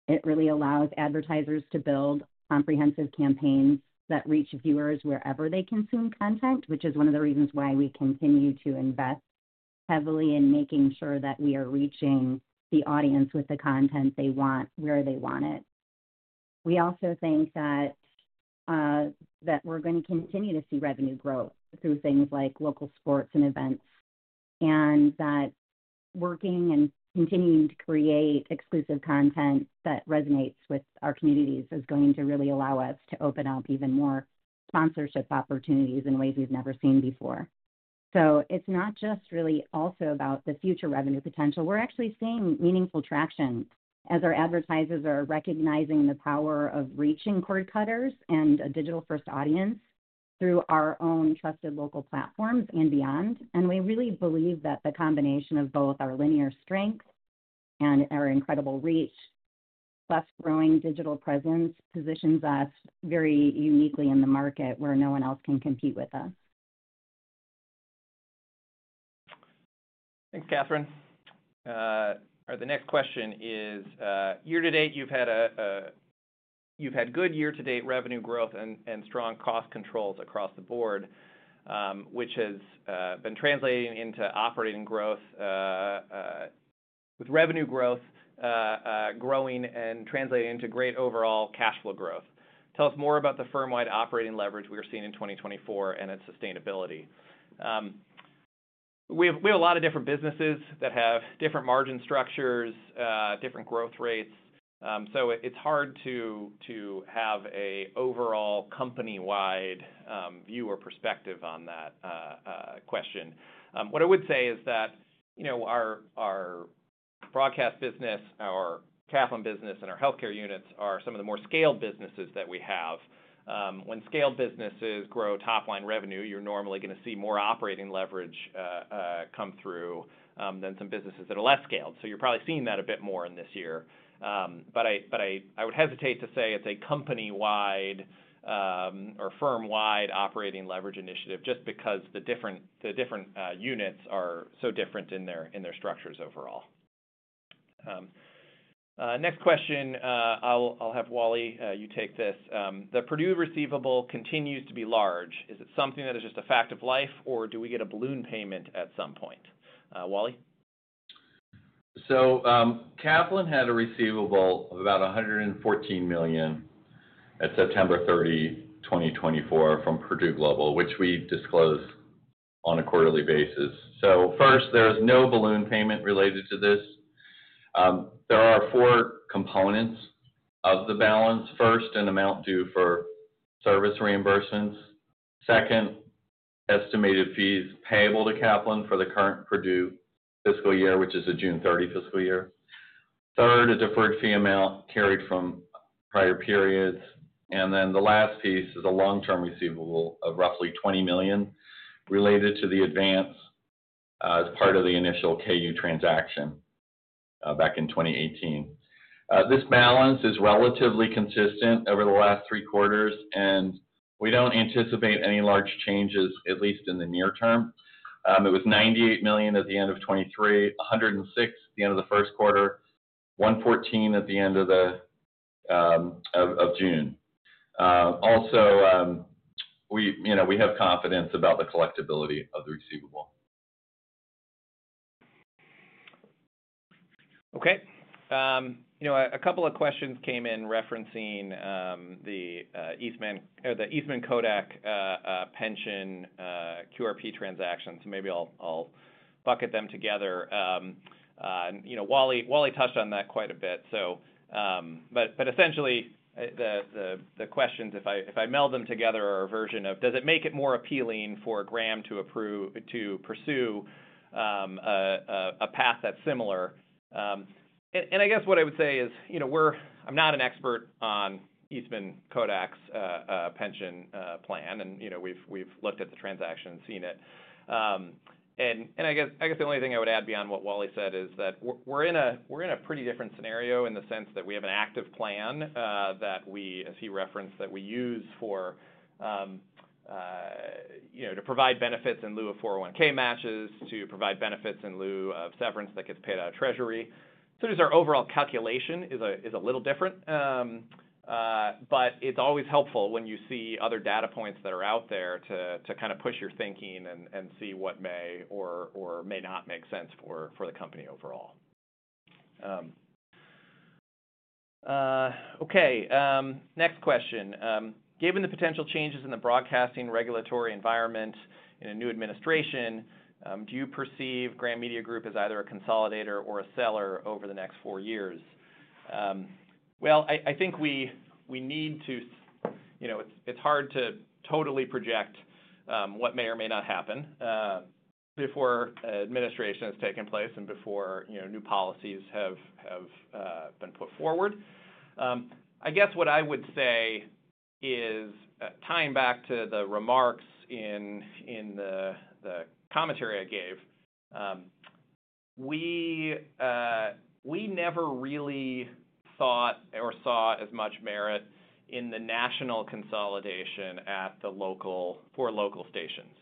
It really allows advertisers to build comprehensive campaigns that reach viewers wherever they consume content, which is one of the reasons why we continue to invest heavily in making sure that we are reaching the audience with the content they want where they want it. We also think that we're going to continue to see revenue growth through things like local sports and events, and that working and continuing to create exclusive content that resonates with our communities is going to really allow us to open up even more sponsorship opportunities in ways we've never seen before. So it's not just really also about the future revenue potential. We're actually seeing meaningful traction as our advertisers are recognizing the power of reaching cord cutters and a digital-first audience through our own trusted local platforms and beyond. And we really believe that the combination of both our linear strength and our incredible reach plus growing digital presence positions us very uniquely in the market where no one else can compete with us. Thanks, Catherine. All right. The next question is, year to date, you've had good year-to-date revenue growth and strong cost controls across the board, which has been translating into operating growth with revenue growth growing and translating into great overall cash flow growth. Tell us more about the firm-wide operating leverage we're seeing in 2024 and its sustainability. We have a lot of different businesses that have different margin structures, different growth rates. So it's hard to have an overall company-wide view or perspective on that question. What I would say is that our broadcast business, our Kaplan business, and our healthcare units are some of the more scaled businesses that we have. When scaled businesses grow top-line revenue, you're normally going to see more operating leverage come through than some businesses that are less scaled. So you're probably seeing that a bit more in this year. But I would hesitate to say it's a company-wide or firm-wide operating leverage initiative just because the different units are so different in their structures overall. Next question. I'll have Wallace take this. The Purdue receivable continues to be large. Is it something that is just a fact of life, or do we get a balloon payment at some point? Wallace? So Kaplan had a receivable of about $114 million at September 30, 2024, from Purdue Global, which we disclose on a quarterly basis. So first, there is no balloon payment related to this. There are four components of the balance. First, an amount due for service reimbursements. Second, estimated fees payable to Kaplan for the current Purdue fiscal year, which is a June 30 fiscal year. Third, a deferred fee amount carried from prior periods. Then the last piece is a long-term receivable of roughly $20 million related to the advance as part of the initial KU transaction back in 2018. This balance is relatively consistent over the last three quarters, and we don't anticipate any large changes, at least in the near term. It was $98 million at the end of 2023, $106 million at the end of the first quarter, $114 million at the end of June. Also, we have confidence about the collectibility of the receivable. Okay. A couple of questions came in referencing the Eastman Kodak pension QRP transactions. So maybe I'll bucket them together. Wallace touched on that quite a bit. But essentially, the questions, if I meld them together, are a version of, does it make it more appealing for Graham to pursue a path that's similar? I guess what I would say is, I'm not an expert on Eastman Kodak's pension plan, and we've looked at the transaction and seen it. I guess the only thing I would add beyond what Wallace said is that we're in a pretty different scenario in the sense that we have an active plan that we, as he referenced, that we use to provide benefits in lieu of 401(k) matches, to provide benefits in lieu of severance that gets paid out of treasury. Just our overall calculation is a little different. But it's always helpful when you see other data points that are out there to kind of push your thinking and see what may or may not make sense for the company overall. Okay. Next question. Given the potential changes in the broadcasting regulatory environment in a new administration, do you perceive Graham Media Group as either a consolidator or a seller over the next four years? Well, I think we need to. It's hard to totally project what may or may not happen before administration has taken place and before new policies have been put forward. I guess what I would say is tying back to the remarks in the commentary I gave, we never really thought or saw as much merit in the national consolidation for local stations.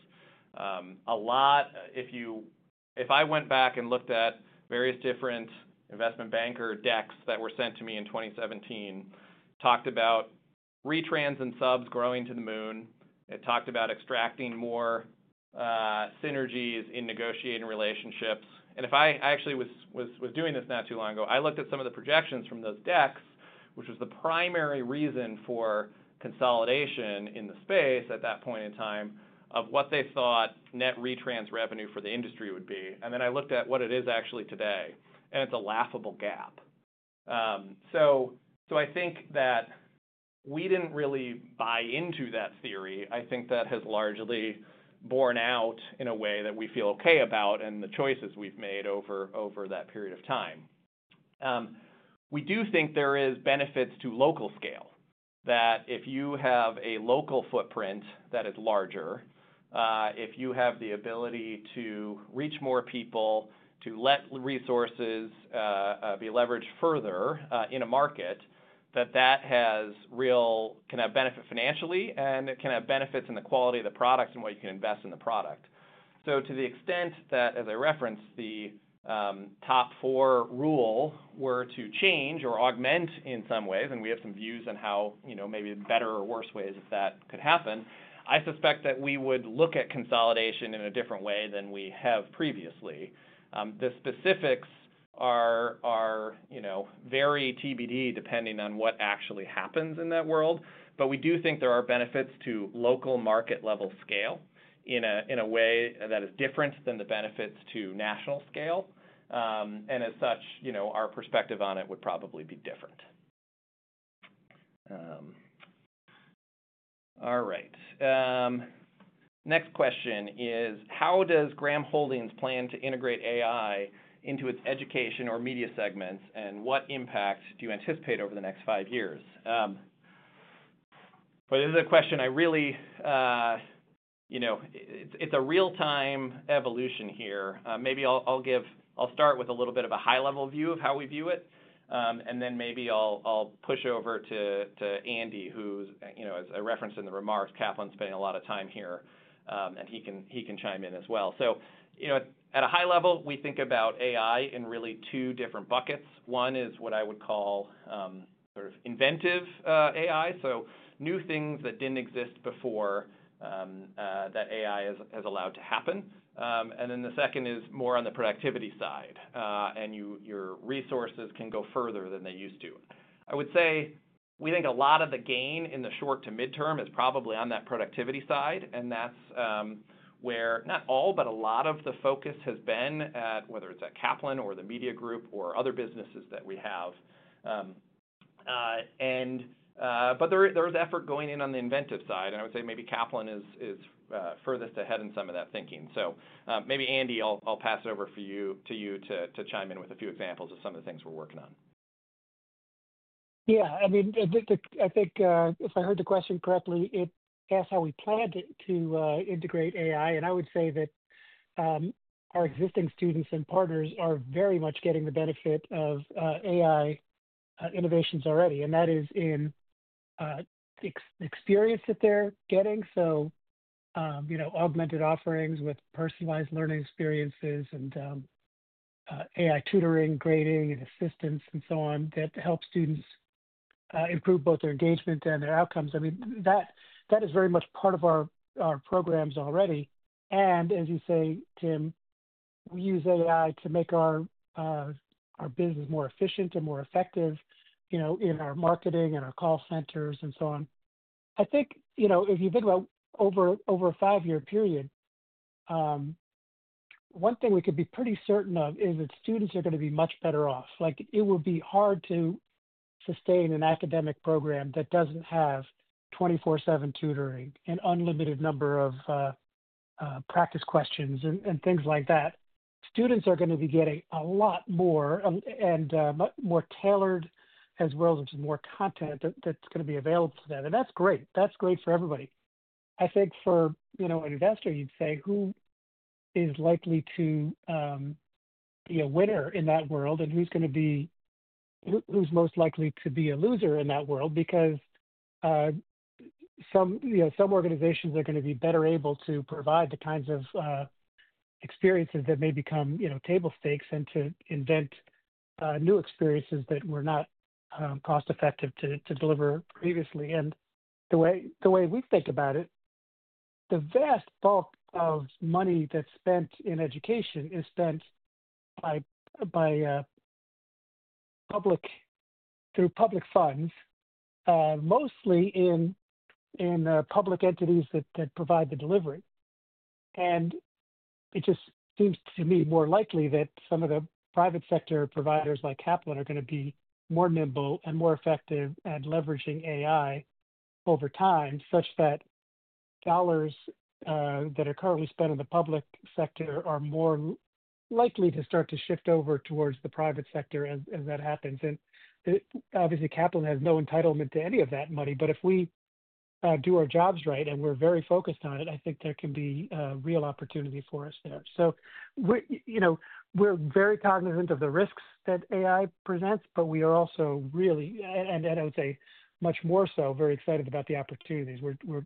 If I went back and looked at various different investment banker decks that were sent to me in 2017, talked about retrans and subs growing to the moon. It talked about extracting more synergies in negotiating relationships, and I actually was doing this not too long ago. I looked at some of the projections from those decks, which was the primary reason for consolidation in the space at that point in time of what they thought net retrans revenue for the industry would be, and then I looked at what it is actually today, and it's a laughable gap, so I think that we didn't really buy into that theory. I think that has largely borne out in a way that we feel okay about and the choices we've made over that period of time. We do think there are benefits to local scale, that if you have a local footprint that is larger, if you have the ability to reach more people, to let resources be leveraged further in a market, that that can have benefit financially, and it can have benefits in the quality of the product and what you can invest in the product. So to the extent that, as I referenced, the Top-Four Rule were to change or augment in some ways, and we have some views on how maybe better or worse ways that could happen, I suspect that we would look at consolidation in a different way than we have previously. The specifics are very TBD depending on what actually happens in that world, but we do think there are benefits to local market-level scale in a way that is different than the benefits to national scale. And as such, our perspective on it would probably be different. All right. Next question is, how does Graham Holdings plan to integrate AI into its education or media segments, and what impact do you anticipate over the next five years? Well, this is a question I really, it's a real-time evolution here. Maybe I'll start with a little bit of a high-level view of how we view it, and then maybe I'll push over to Andy, who's, as I referenced in the remarks, Kaplan's spending a lot of time here, and he can chime in as well. So at a high level, we think about AI in really two different buckets. One is what I would call sort of inventive AI, so new things that didn't exist before that AI has allowed to happen. And then the second is more on the productivity side, and your resources can go further than they used to. I would say we think a lot of the gain in the short to midterm is probably on that productivity side, and that's where not all, but a lot of the focus has been, whether it's at Kaplan or the Media Group or other businesses that we have. But there is effort going in on the inventive side, and I would say maybe Kaplan is furthest ahead in some of that thinking. So maybe, Andy, I'll pass it over to you to chime in with a few examples of some of the things we're working on. Yeah. I mean, I think if I heard the question correctly, it asks how we plan to integrate AI, and I would say that our existing students and partners are very much getting the benefit of AI innovations already. And that is in the experience that they're getting, so augmented offerings with personalized learning experiences and AI tutoring, grading, and assistance, and so on, that help students improve both their engagement and their outcomes. I mean, that is very much part of our programs already. As you say, Tim, we use AI to make our business more efficient and more effective in our marketing and our call centers and so on. I think if you think about over a five-year period, one thing we could be pretty certain of is that students are going to be much better off. It would be hard to sustain an academic program that doesn't have 24/7 tutoring and an unlimited number of practice questions and things like that. Students are going to be getting a lot more and more tailored as well as more content that's going to be available to them. That's great. That's great for everybody. I think for an investor, you'd say, who is likely to be a winner in that world, and who's most likely to be a loser in that world? Because some organizations are going to be better able to provide the kinds of experiences that may become table stakes and to invent new experiences that were not cost-effective to deliver previously. And the way we think about it, the vast bulk of money that's spent in education is spent through public funds, mostly in public entities that provide the delivery. And it just seems to me more likely that some of the private sector providers like Kaplan are going to be more nimble and more effective at leveraging AI over time, such that dollars that are currently spent in the public sector are more likely to start to shift over towards the private sector as that happens. Obviously, Kaplan has no entitlement to any of that money, but if we do our jobs right and we're very focused on it, I think there can be a real opportunity for us there. So we're very cognizant of the risks that AI presents, but we are also really, and I would say much more so, very excited about the opportunities. We're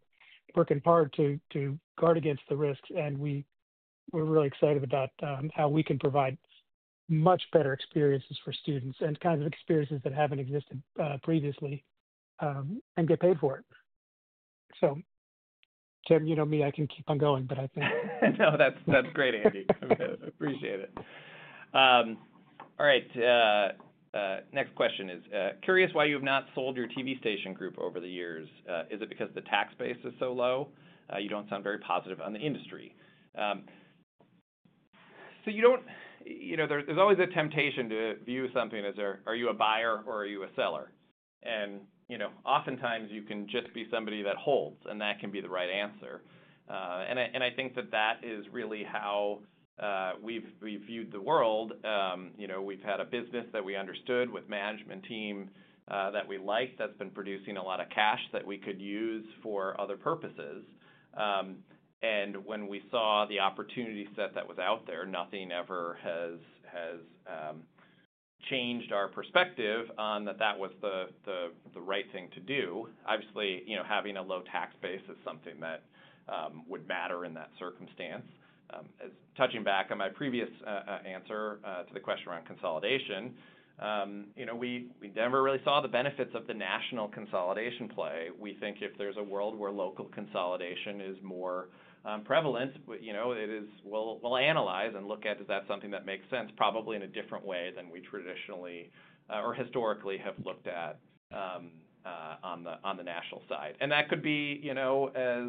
working hard to guard against the risks, and we're really excited about how we can provide much better experiences for students and kinds of experiences that haven't existed previously and get paid for it. So, Tim, you know me. I can keep on going, but I think. No, that's great, Andy. I appreciate it. All right. Next question is curious why you have not sold your TV station group over the years. Is it because the tax base is so low? You don't sound very positive on the industry. So, there's always a temptation to view something as, are you a buyer or are you a seller? And oftentimes, you can just be somebody that holds, and that can be the right answer. And I think that that is really how we've viewed the world. We've had a business that we understood with a management team that we liked that's been producing a lot of cash that we could use for other purposes. And when we saw the opportunity set that was out there, nothing ever has changed our perspective on that, that was the right thing to do. Obviously, having a low tax base is something that would matter in that circumstance. Touching back on my previous answer to the question around consolidation, we never really saw the benefits of the national consolidation play. We think if there's a world where local consolidation is more prevalent, it is, we'll analyze and look at, is that something that makes sense, probably in a different way than we traditionally or historically have looked at on the national side. And that could be as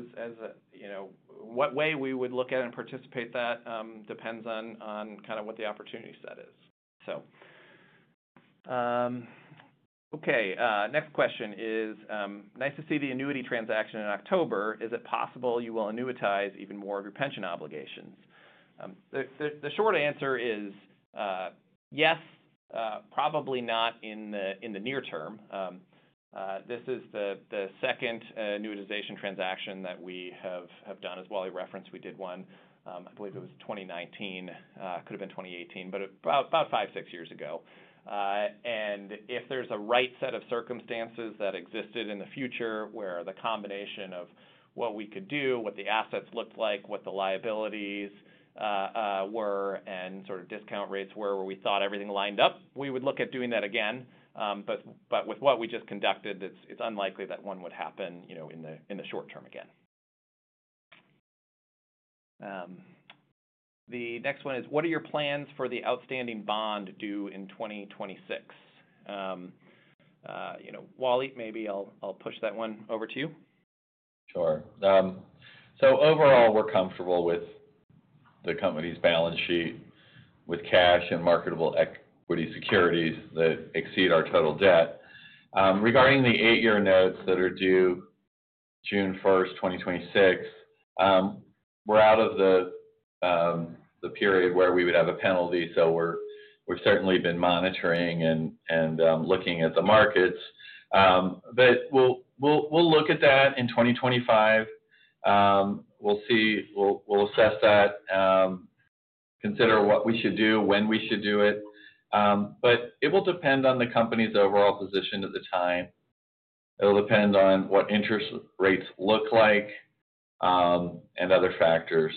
what way we would look at and participate in that depends on kind of what the opportunity set is. So, okay. Next question is, nice to see the annuity transaction in October. Is it possible you will annuitize even more of your pension obligations? The short answer is yes, probably not in the near term. This is the second annuitization transaction that we have done. As Wallace referenced, we did one, I believe it was 2019, could have been 2018, but about five, six years ago. If there's a right set of circumstances that existed in the future where the combination of what we could do, what the assets looked like, what the liabilities were, and sort of discount rates were where we thought everything lined up, we would look at doing that again. With what we just conducted, it's unlikely that one would happen in the short term again. The next one is, what are your plans for the outstanding bond due in 2026? Wallace, maybe I'll push that one over to you. Sure. Overall, we're comfortable with the company's balance sheet with cash and marketable equity securities that exceed our total debt. Regarding the eight-year notes that are due June 1st, 2026, we're out of the period where we would have a penalty, so we've certainly been monitoring and looking at the markets. We'll look at that in 2025. We'll assess that, consider what we should do, when we should do it. But it will depend on the company's overall position at the time. It'll depend on what interest rates look like and other factors.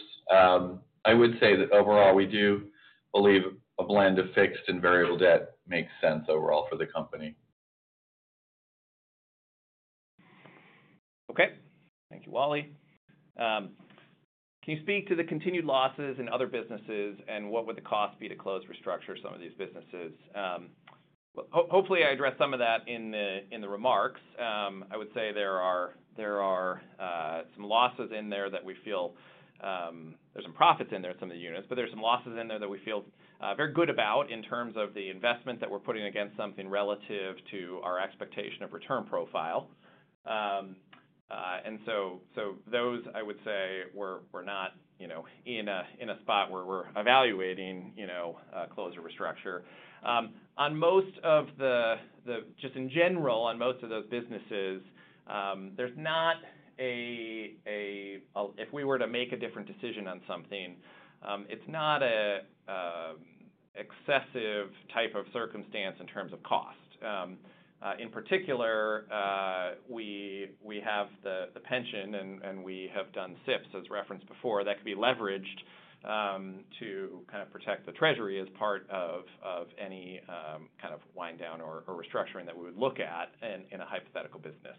I would say that overall, we do believe a blend of fixed and variable debt makes sense overall for the company. Okay. Thank you, Wallace. Can you speak to the continued losses in other businesses, and what would the cost be to close, restructure some of these businesses? Hopefully, I addressed some of that in the remarks. I would say there are some losses in there that we feel, there's some profits in there in some of the units, but there's some losses in there that we feel very good about in terms of the investment that we're putting against something relative to our expectation of return profile. Those, I would say, we're not in a spot where we're evaluating close or restructure. On most of—just in general, on most of those businesses, there's not a—if we were to make a different decision on something, it's not an excessive type of circumstance in terms of cost. In particular, we have the pension, and we have done SIPs, as referenced before, that could be leveraged to kind of protect the treasury as part of any kind of wind-down or restructuring that we would look at in a hypothetical business.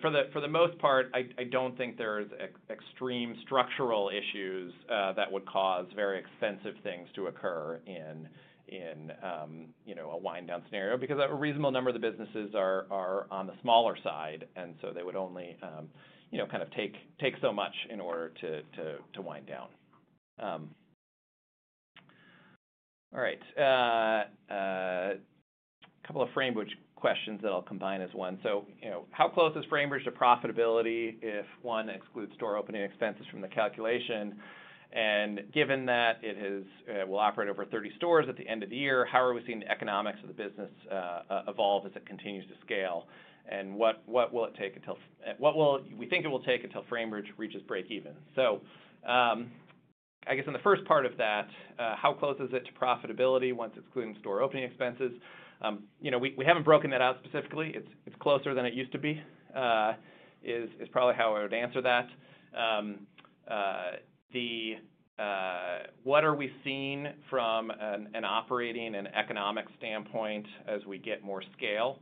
But for the most part, I don't think there are extreme structural issues that would cause very expensive things to occur in a wind-down scenario because a reasonable number of the businesses are on the smaller side, and so they would only kind of take so much in order to wind down. All right. A couple of Framebridge questions that I'll combine as one. So how close is Framebridge to profitability if one excludes store opening expenses from the calculation? And given that it will operate over 30 stores at the end of the year, how are we seeing the economics of the business evolve as it continues to scale? And what will we think it will take until Framebridge reaches break-even? So I guess in the first part of that, how close is it to profitability once it's including store opening expenses? We haven't broken that out specifically. It's closer than it used to be is probably how I would answer that. What are we seeing from an operating and economic standpoint as we get more scale?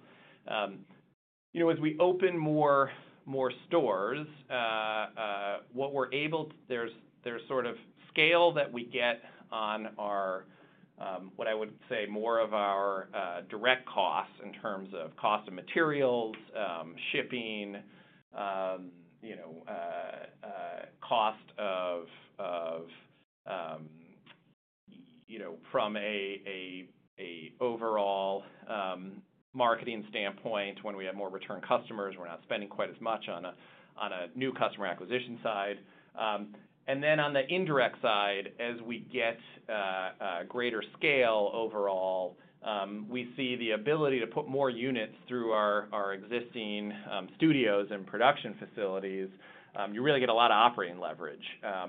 As we open more stores, what we're able, there's sort of scale that we get on our, what I would say more of our direct costs in terms of cost of materials, shipping, cost of, from an overall marketing standpoint, when we have more return customers, we're not spending quite as much on a new customer acquisition side. And then on the indirect side, as we get greater scale overall, we see the ability to put more units through our existing studios and production facilities. You really get a lot of operating leverage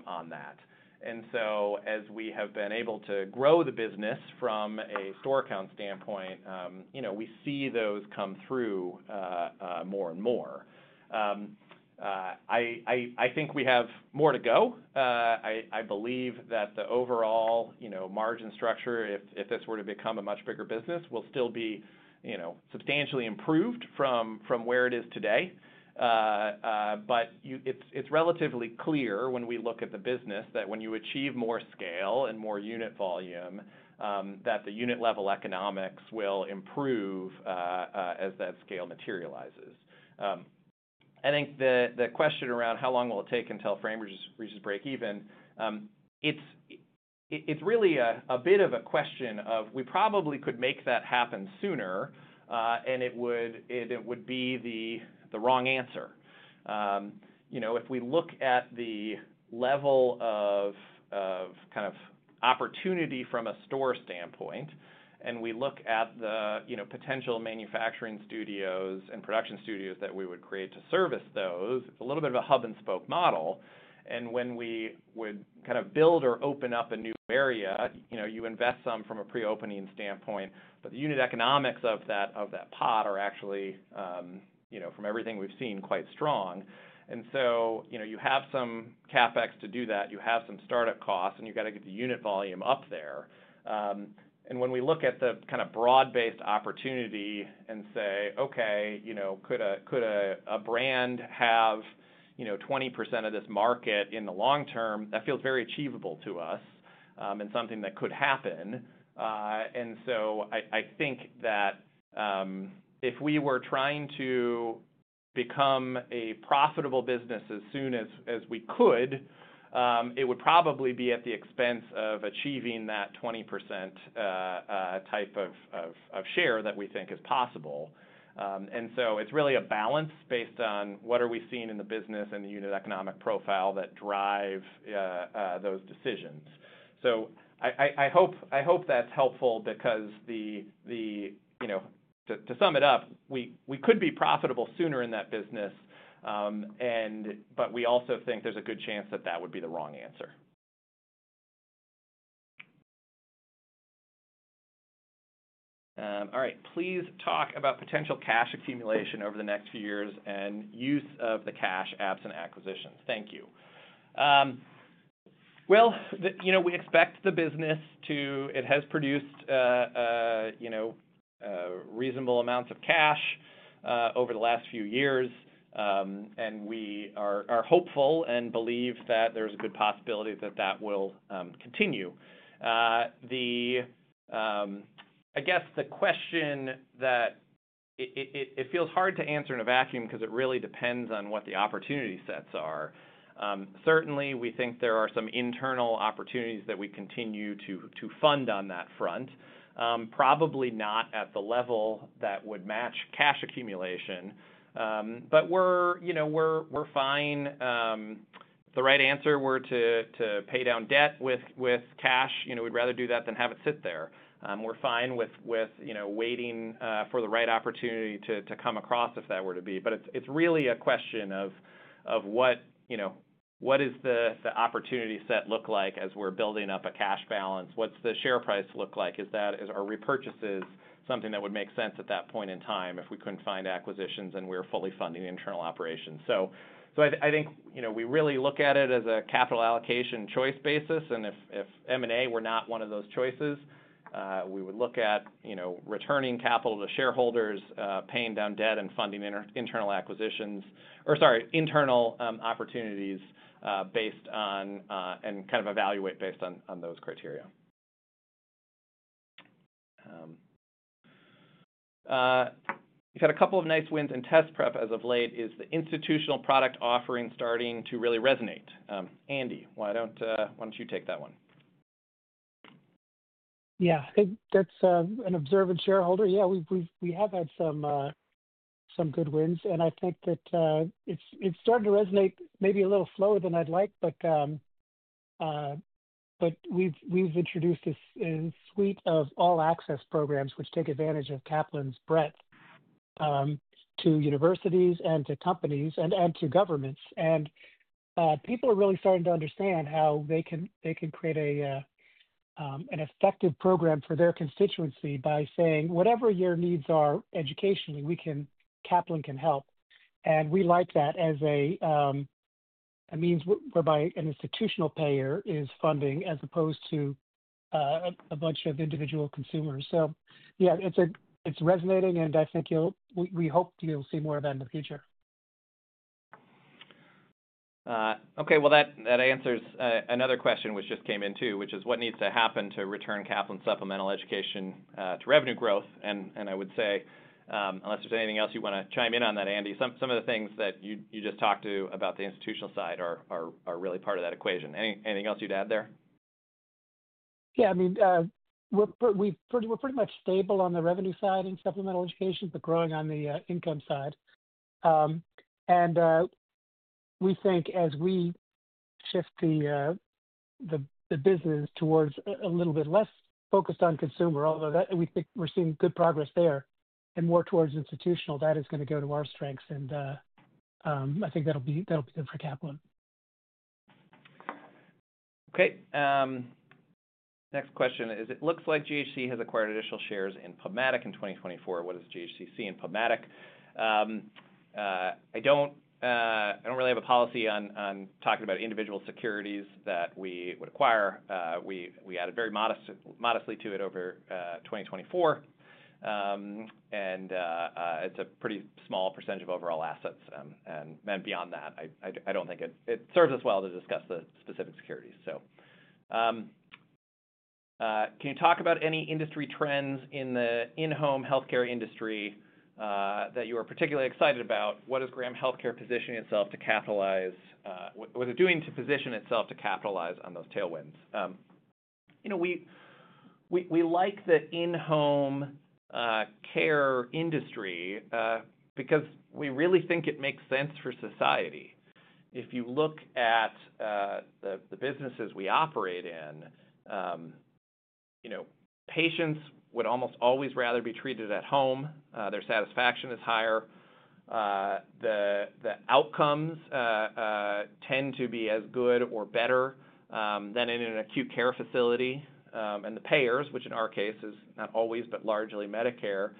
on that. And so as we have been able to grow the business from a store account standpoint, we see those come through more and more. I think we have more to go. I believe that the overall margin structure, if this were to become a much bigger business, will still be substantially improved from where it is today. It's relatively clear when we look at the business that when you achieve more scale and more unit volume, that the unit-level economics will improve as that scale materializes. I think the question around how long will it take until Framebridge reaches break-even, it's really a bit of a question of we probably could make that happen sooner, and it would be the wrong answer. If we look at the level of kind of opportunity from a store standpoint, and we look at the potential manufacturing studios and production studios that we would create to service those, it's a little bit of a hub-and-spoke model. When we would kind of build or open up a new area, you invest some from a pre-opening standpoint, but the unit economics of that spot are actually, from everything we've seen, quite strong. You have some CapEx to do that. You have some startup costs, and you've got to get the unit volume up there. And when we look at the kind of broad-based opportunity and say, "Okay, could a brand have 20% of this market in the long term?" that feels very achievable to us and something that could happen. And so I think that if we were trying to become a profitable business as soon as we could, it would probably be at the expense of achieving that 20% type of share that we think is possible. And so it's really a balance based on what are we seeing in the business and the unit economic profile that drive those decisions. So I hope that's helpful because to sum it up, we could be profitable sooner in that business, but we also think there's a good chance that that would be the wrong answer. All right. Please talk about potential cash accumulation over the next few years and use of the cash absent acquisitions. Thank you. We expect the business to. It has produced reasonable amounts of cash over the last few years, and we are hopeful and believe that there's a good possibility that that will continue. I guess the question, it feels hard to answer in a vacuum because it really depends on what the opportunity sets are. Certainly, we think there are some internal opportunities that we continue to fund on that front, probably not at the level that would match cash accumulation, but we're fine. The right answer were to pay down debt with cash, we'd rather do that than have it sit there. We're fine with waiting for the right opportunity to come across if that were to be. But it's really a question of what does the opportunity set look like as we're building up a cash balance? What's the share price look like? Are repurchases something that would make sense at that point in time if we couldn't find acquisitions and we're fully funding internal operations? So I think we really look at it as a capital allocation choice basis, and if M&A were not one of those choices, we would look at returning capital to shareholders, paying down debt, and funding internal acquisitions - or sorry, internal opportunities based on and kind of evaluate based on those criteria. We've had a couple of nice wins in test prep as of late. Is the institutional product offering starting to really resonate? Andy, why don't you take that one? Yeah. As an observant shareholder, yeah, we have had some good wins, and I think that it's starting to resonate maybe a little slower than I'd like, but we've introduced a suite of all-access programs which take advantage of Kaplan's breadth to universities and to companies and to governments. And people are really starting to understand how they can create an effective program for their constituency by saying, "Whatever your needs are educationally, Kaplan can help." And we like that as a means whereby an institutional payer is funding as opposed to a bunch of individual consumers. So yeah, it's resonating, and I think we hope you'll see more of that in the future. Okay. Well, that answers another question which just came in too, which is what needs to happen to return Kaplan's supplemental education to revenue growth? I would say, unless there's anything else you want to chime in on that, Andy, some of the things that you just talked about the institutional side are really part of that equation. Anything else you'd add there? Yeah. I mean, we're pretty much stable on the revenue side in supplemental education, but growing on the income side. And we think as we shift the business towards a little bit less focused on consumer, although we think we're seeing good progress there, and more towards institutional, that is going to go to our strengths, and I think that'll be good for Kaplan. Okay. Next question is, it looks like GHC has acquired additional shares in PubMatic in 2024. What does GHC see in PubMatic? I don't really have a policy on talking about individual securities that we would acquire. We added very modestly to it over 2024, and it's a pretty small percentage of overall assets, and beyond that, I don't think it serves us well to discuss the specific securities, so. Can you talk about any industry trends in the in-home healthcare industry that you are particularly excited about? What is Graham Healthcare positioning itself to capitalize? What is it doing to position itself to capitalize on those tailwinds? We like the in-home care industry because we really think it makes sense for society. If you look at the businesses we operate in, patients would almost always rather be treated at home. Their satisfaction is higher. The outcomes tend to be as good or better than in an acute care facility, and the payers, which in our case is not always, but largely Medicare,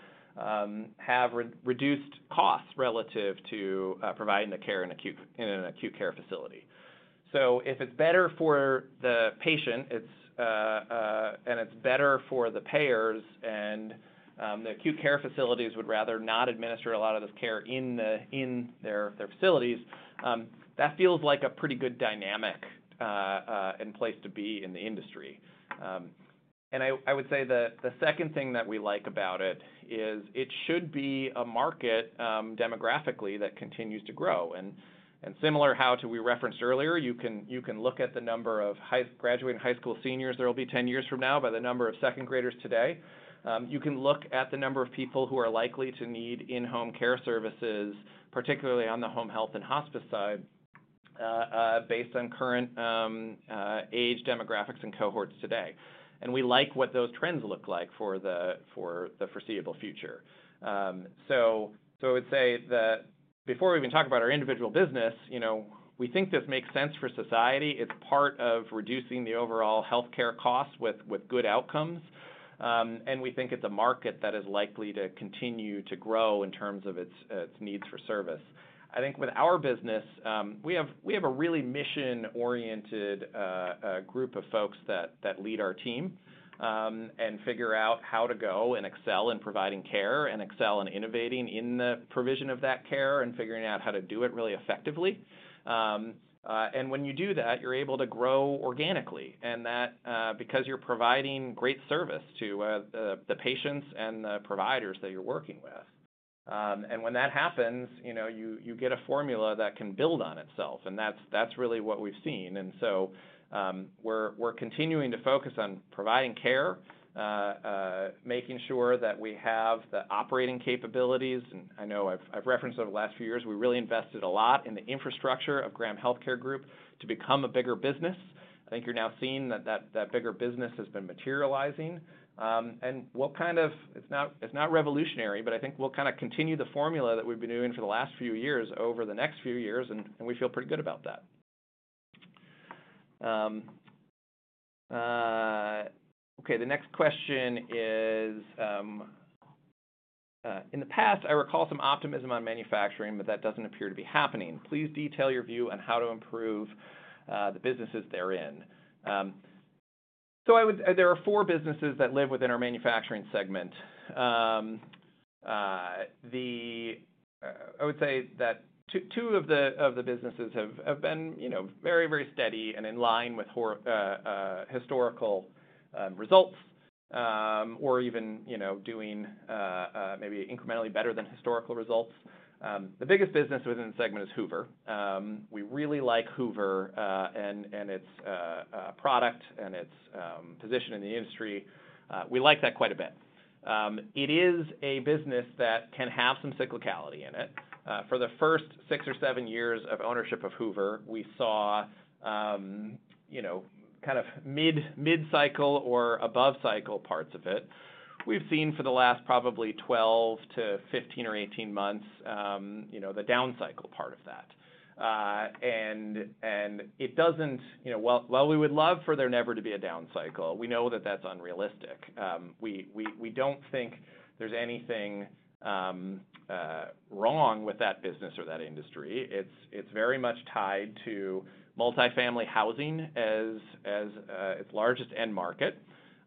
have reduced costs relative to providing the care in an acute care facility. If it's better for the patient and it's better for the payers and the acute care facilities would rather not administer a lot of this care in their facilities, that feels like a pretty good dynamic and place to be in the industry. I would say the second thing that we like about it is it should be a market demographically that continues to grow. Similar to how we referenced earlier, you can look at the number of graduating high school seniors there will be 10 years from now by the number of second graders today. You can look at the number of people who are likely to need in-home care services, particularly on the home health and hospice side, based on current age demographics and cohorts today. We like what those trends look like for the foreseeable future. So I would say that before we even talk about our individual business, we think this makes sense for society. It's part of reducing the overall healthcare costs with good outcomes, and we think it's a market that is likely to continue to grow in terms of its needs for service. I think with our business, we have a really mission-oriented group of folks that lead our team and figure out how to go and excel in providing care and excel in innovating in the provision of that care and figuring out how to do it really effectively. And when you do that, you're able to grow organically because you're providing great service to the patients and the providers that you're working with. And when that happens, you get a formula that can build on itself, and that's really what we've seen. And so we're continuing to focus on providing care, making sure that we have the operating capabilities. And I know I've referenced over the last few years, we really invested a lot in the infrastructure of Graham Healthcare Group to become a bigger business. I think you're now seeing that that bigger business has been materializing. And it's not revolutionary, but I think we'll kind of continue the formula that we've been doing for the last few years over the next few years, and we feel pretty good about that. Okay. The next question is, in the past, I recall some optimism on manufacturing, but that doesn't appear to be happening. Please detail your view on how to improve the businesses therein. So there are four businesses that live within our manufacturing segment. I would say that two of the businesses have been very, very steady and in line with historical results or even doing maybe incrementally better than historical results. The biggest business within the segment is Hoover. We really like Hoover and its product and its position in the industry. We like that quite a bit. It is a business that can have some cyclicality in it. For the first six or seven years of ownership of Hoover, we saw kind of mid-cycle or above-cycle parts of it. We've seen for the last probably 12 to 15 or 18 months the down-cycle part of that. And while we would love for there never to be a down-cycle, we know that that's unrealistic. We don't think there's anything wrong with that business or that industry. It's very much tied to multifamily housing as its largest end market.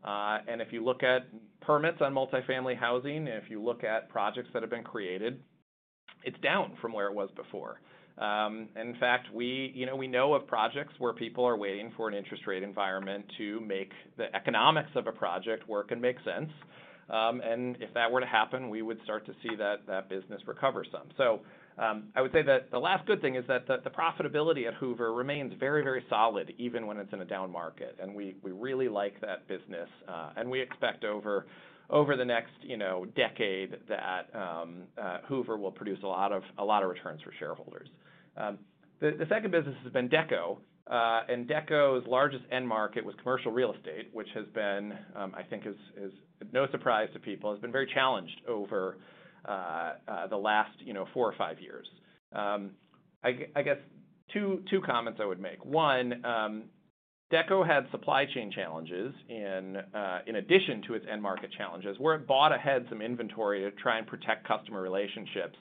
And if you look at permits on multifamily housing, if you look at projects that have been created, it's down from where it was before. And in fact, we know of projects where people are waiting for an interest rate environment to make the economics of a project work and make sense. And if that were to happen, we would start to see that business recover some. So I would say that the last good thing is that the profitability at Hoover remains very, very solid even when it's in a down market. And we really like that business, and we expect over the next decade that Hoover will produce a lot of returns for shareholders. The second business has been Dekko, and Dekko's largest end market was commercial real estate, which has been, I think, no surprise to people, has been very challenged over the last four or five years. I guess two comments I would make. One, Dekko had supply chain challenges in addition to its end market challenges where it bought ahead some inventory to try and protect customer relationships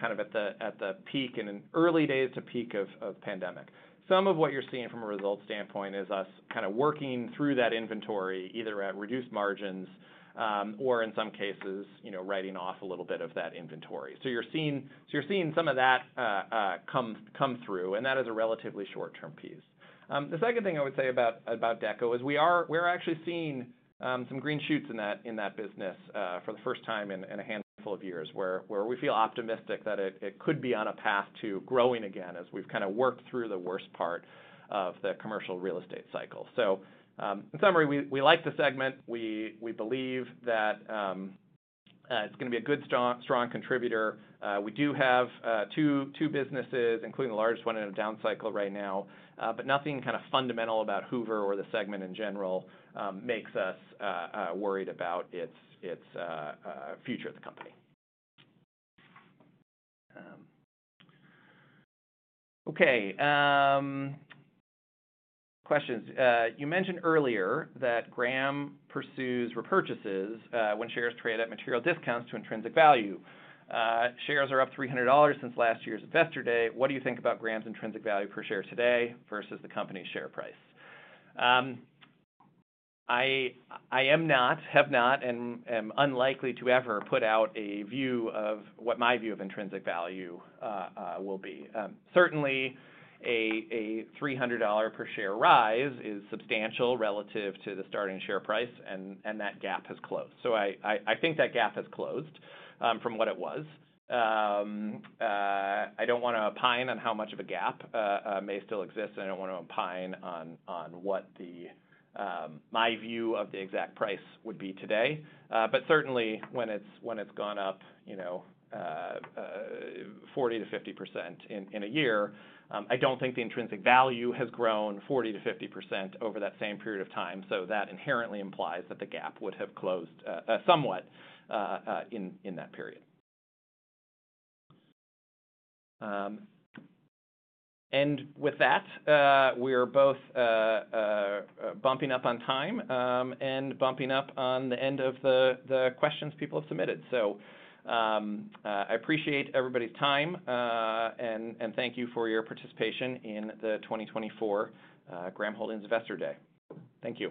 kind of at the peak and in early days to peak of pandemic. Some of what you're seeing from a results standpoint is us kind of working through that inventory either at reduced margins or in some cases writing off a little bit of that inventory. So you're seeing some of that come through, and that is a relatively short-term piece. The second thing I would say about Dekko is we are actually seeing some green shoots in that business for the first time in a handful of years where we feel optimistic that it could be on a path to growing again as we've kind of worked through the worst part of the commercial real estate cycle. So in summary, we like the segment. We believe that it's going to be a good, strong contributor. We do have two businesses, including the largest one in a down cycle right now, but nothing kind of fundamental about Hoover or the segment in general makes us worried about its future at the company. Okay. Questions. You mentioned earlier that Graham pursues repurchases when shares trade at material discounts to intrinsic value. Shares are up $300 since last year's investor day. What do you think about Graham's intrinsic value per share today versus the company's share price? I have not and am unlikely to ever put out a view of what my view of intrinsic value will be. Certainly, a $300 per share rise is substantial relative to the starting share price, and that gap has closed. So I think that gap has closed from what it was. I don't want to opine on how much of a gap may still exist, and I don't want to opine on what my view of the exact price would be today. But certainly, when it's gone up 40%-50% in a year, I don't think the intrinsic value has grown 40%-50% over that same period of time. So that inherently implies that the gap would have closed somewhat in that period. With that, we are both bumping up on time and bumping up on the end of the questions people have submitted. I appreciate everybody's time, and thank you for your participation in the 2024 Graham Holdings Investor Day. Thank you.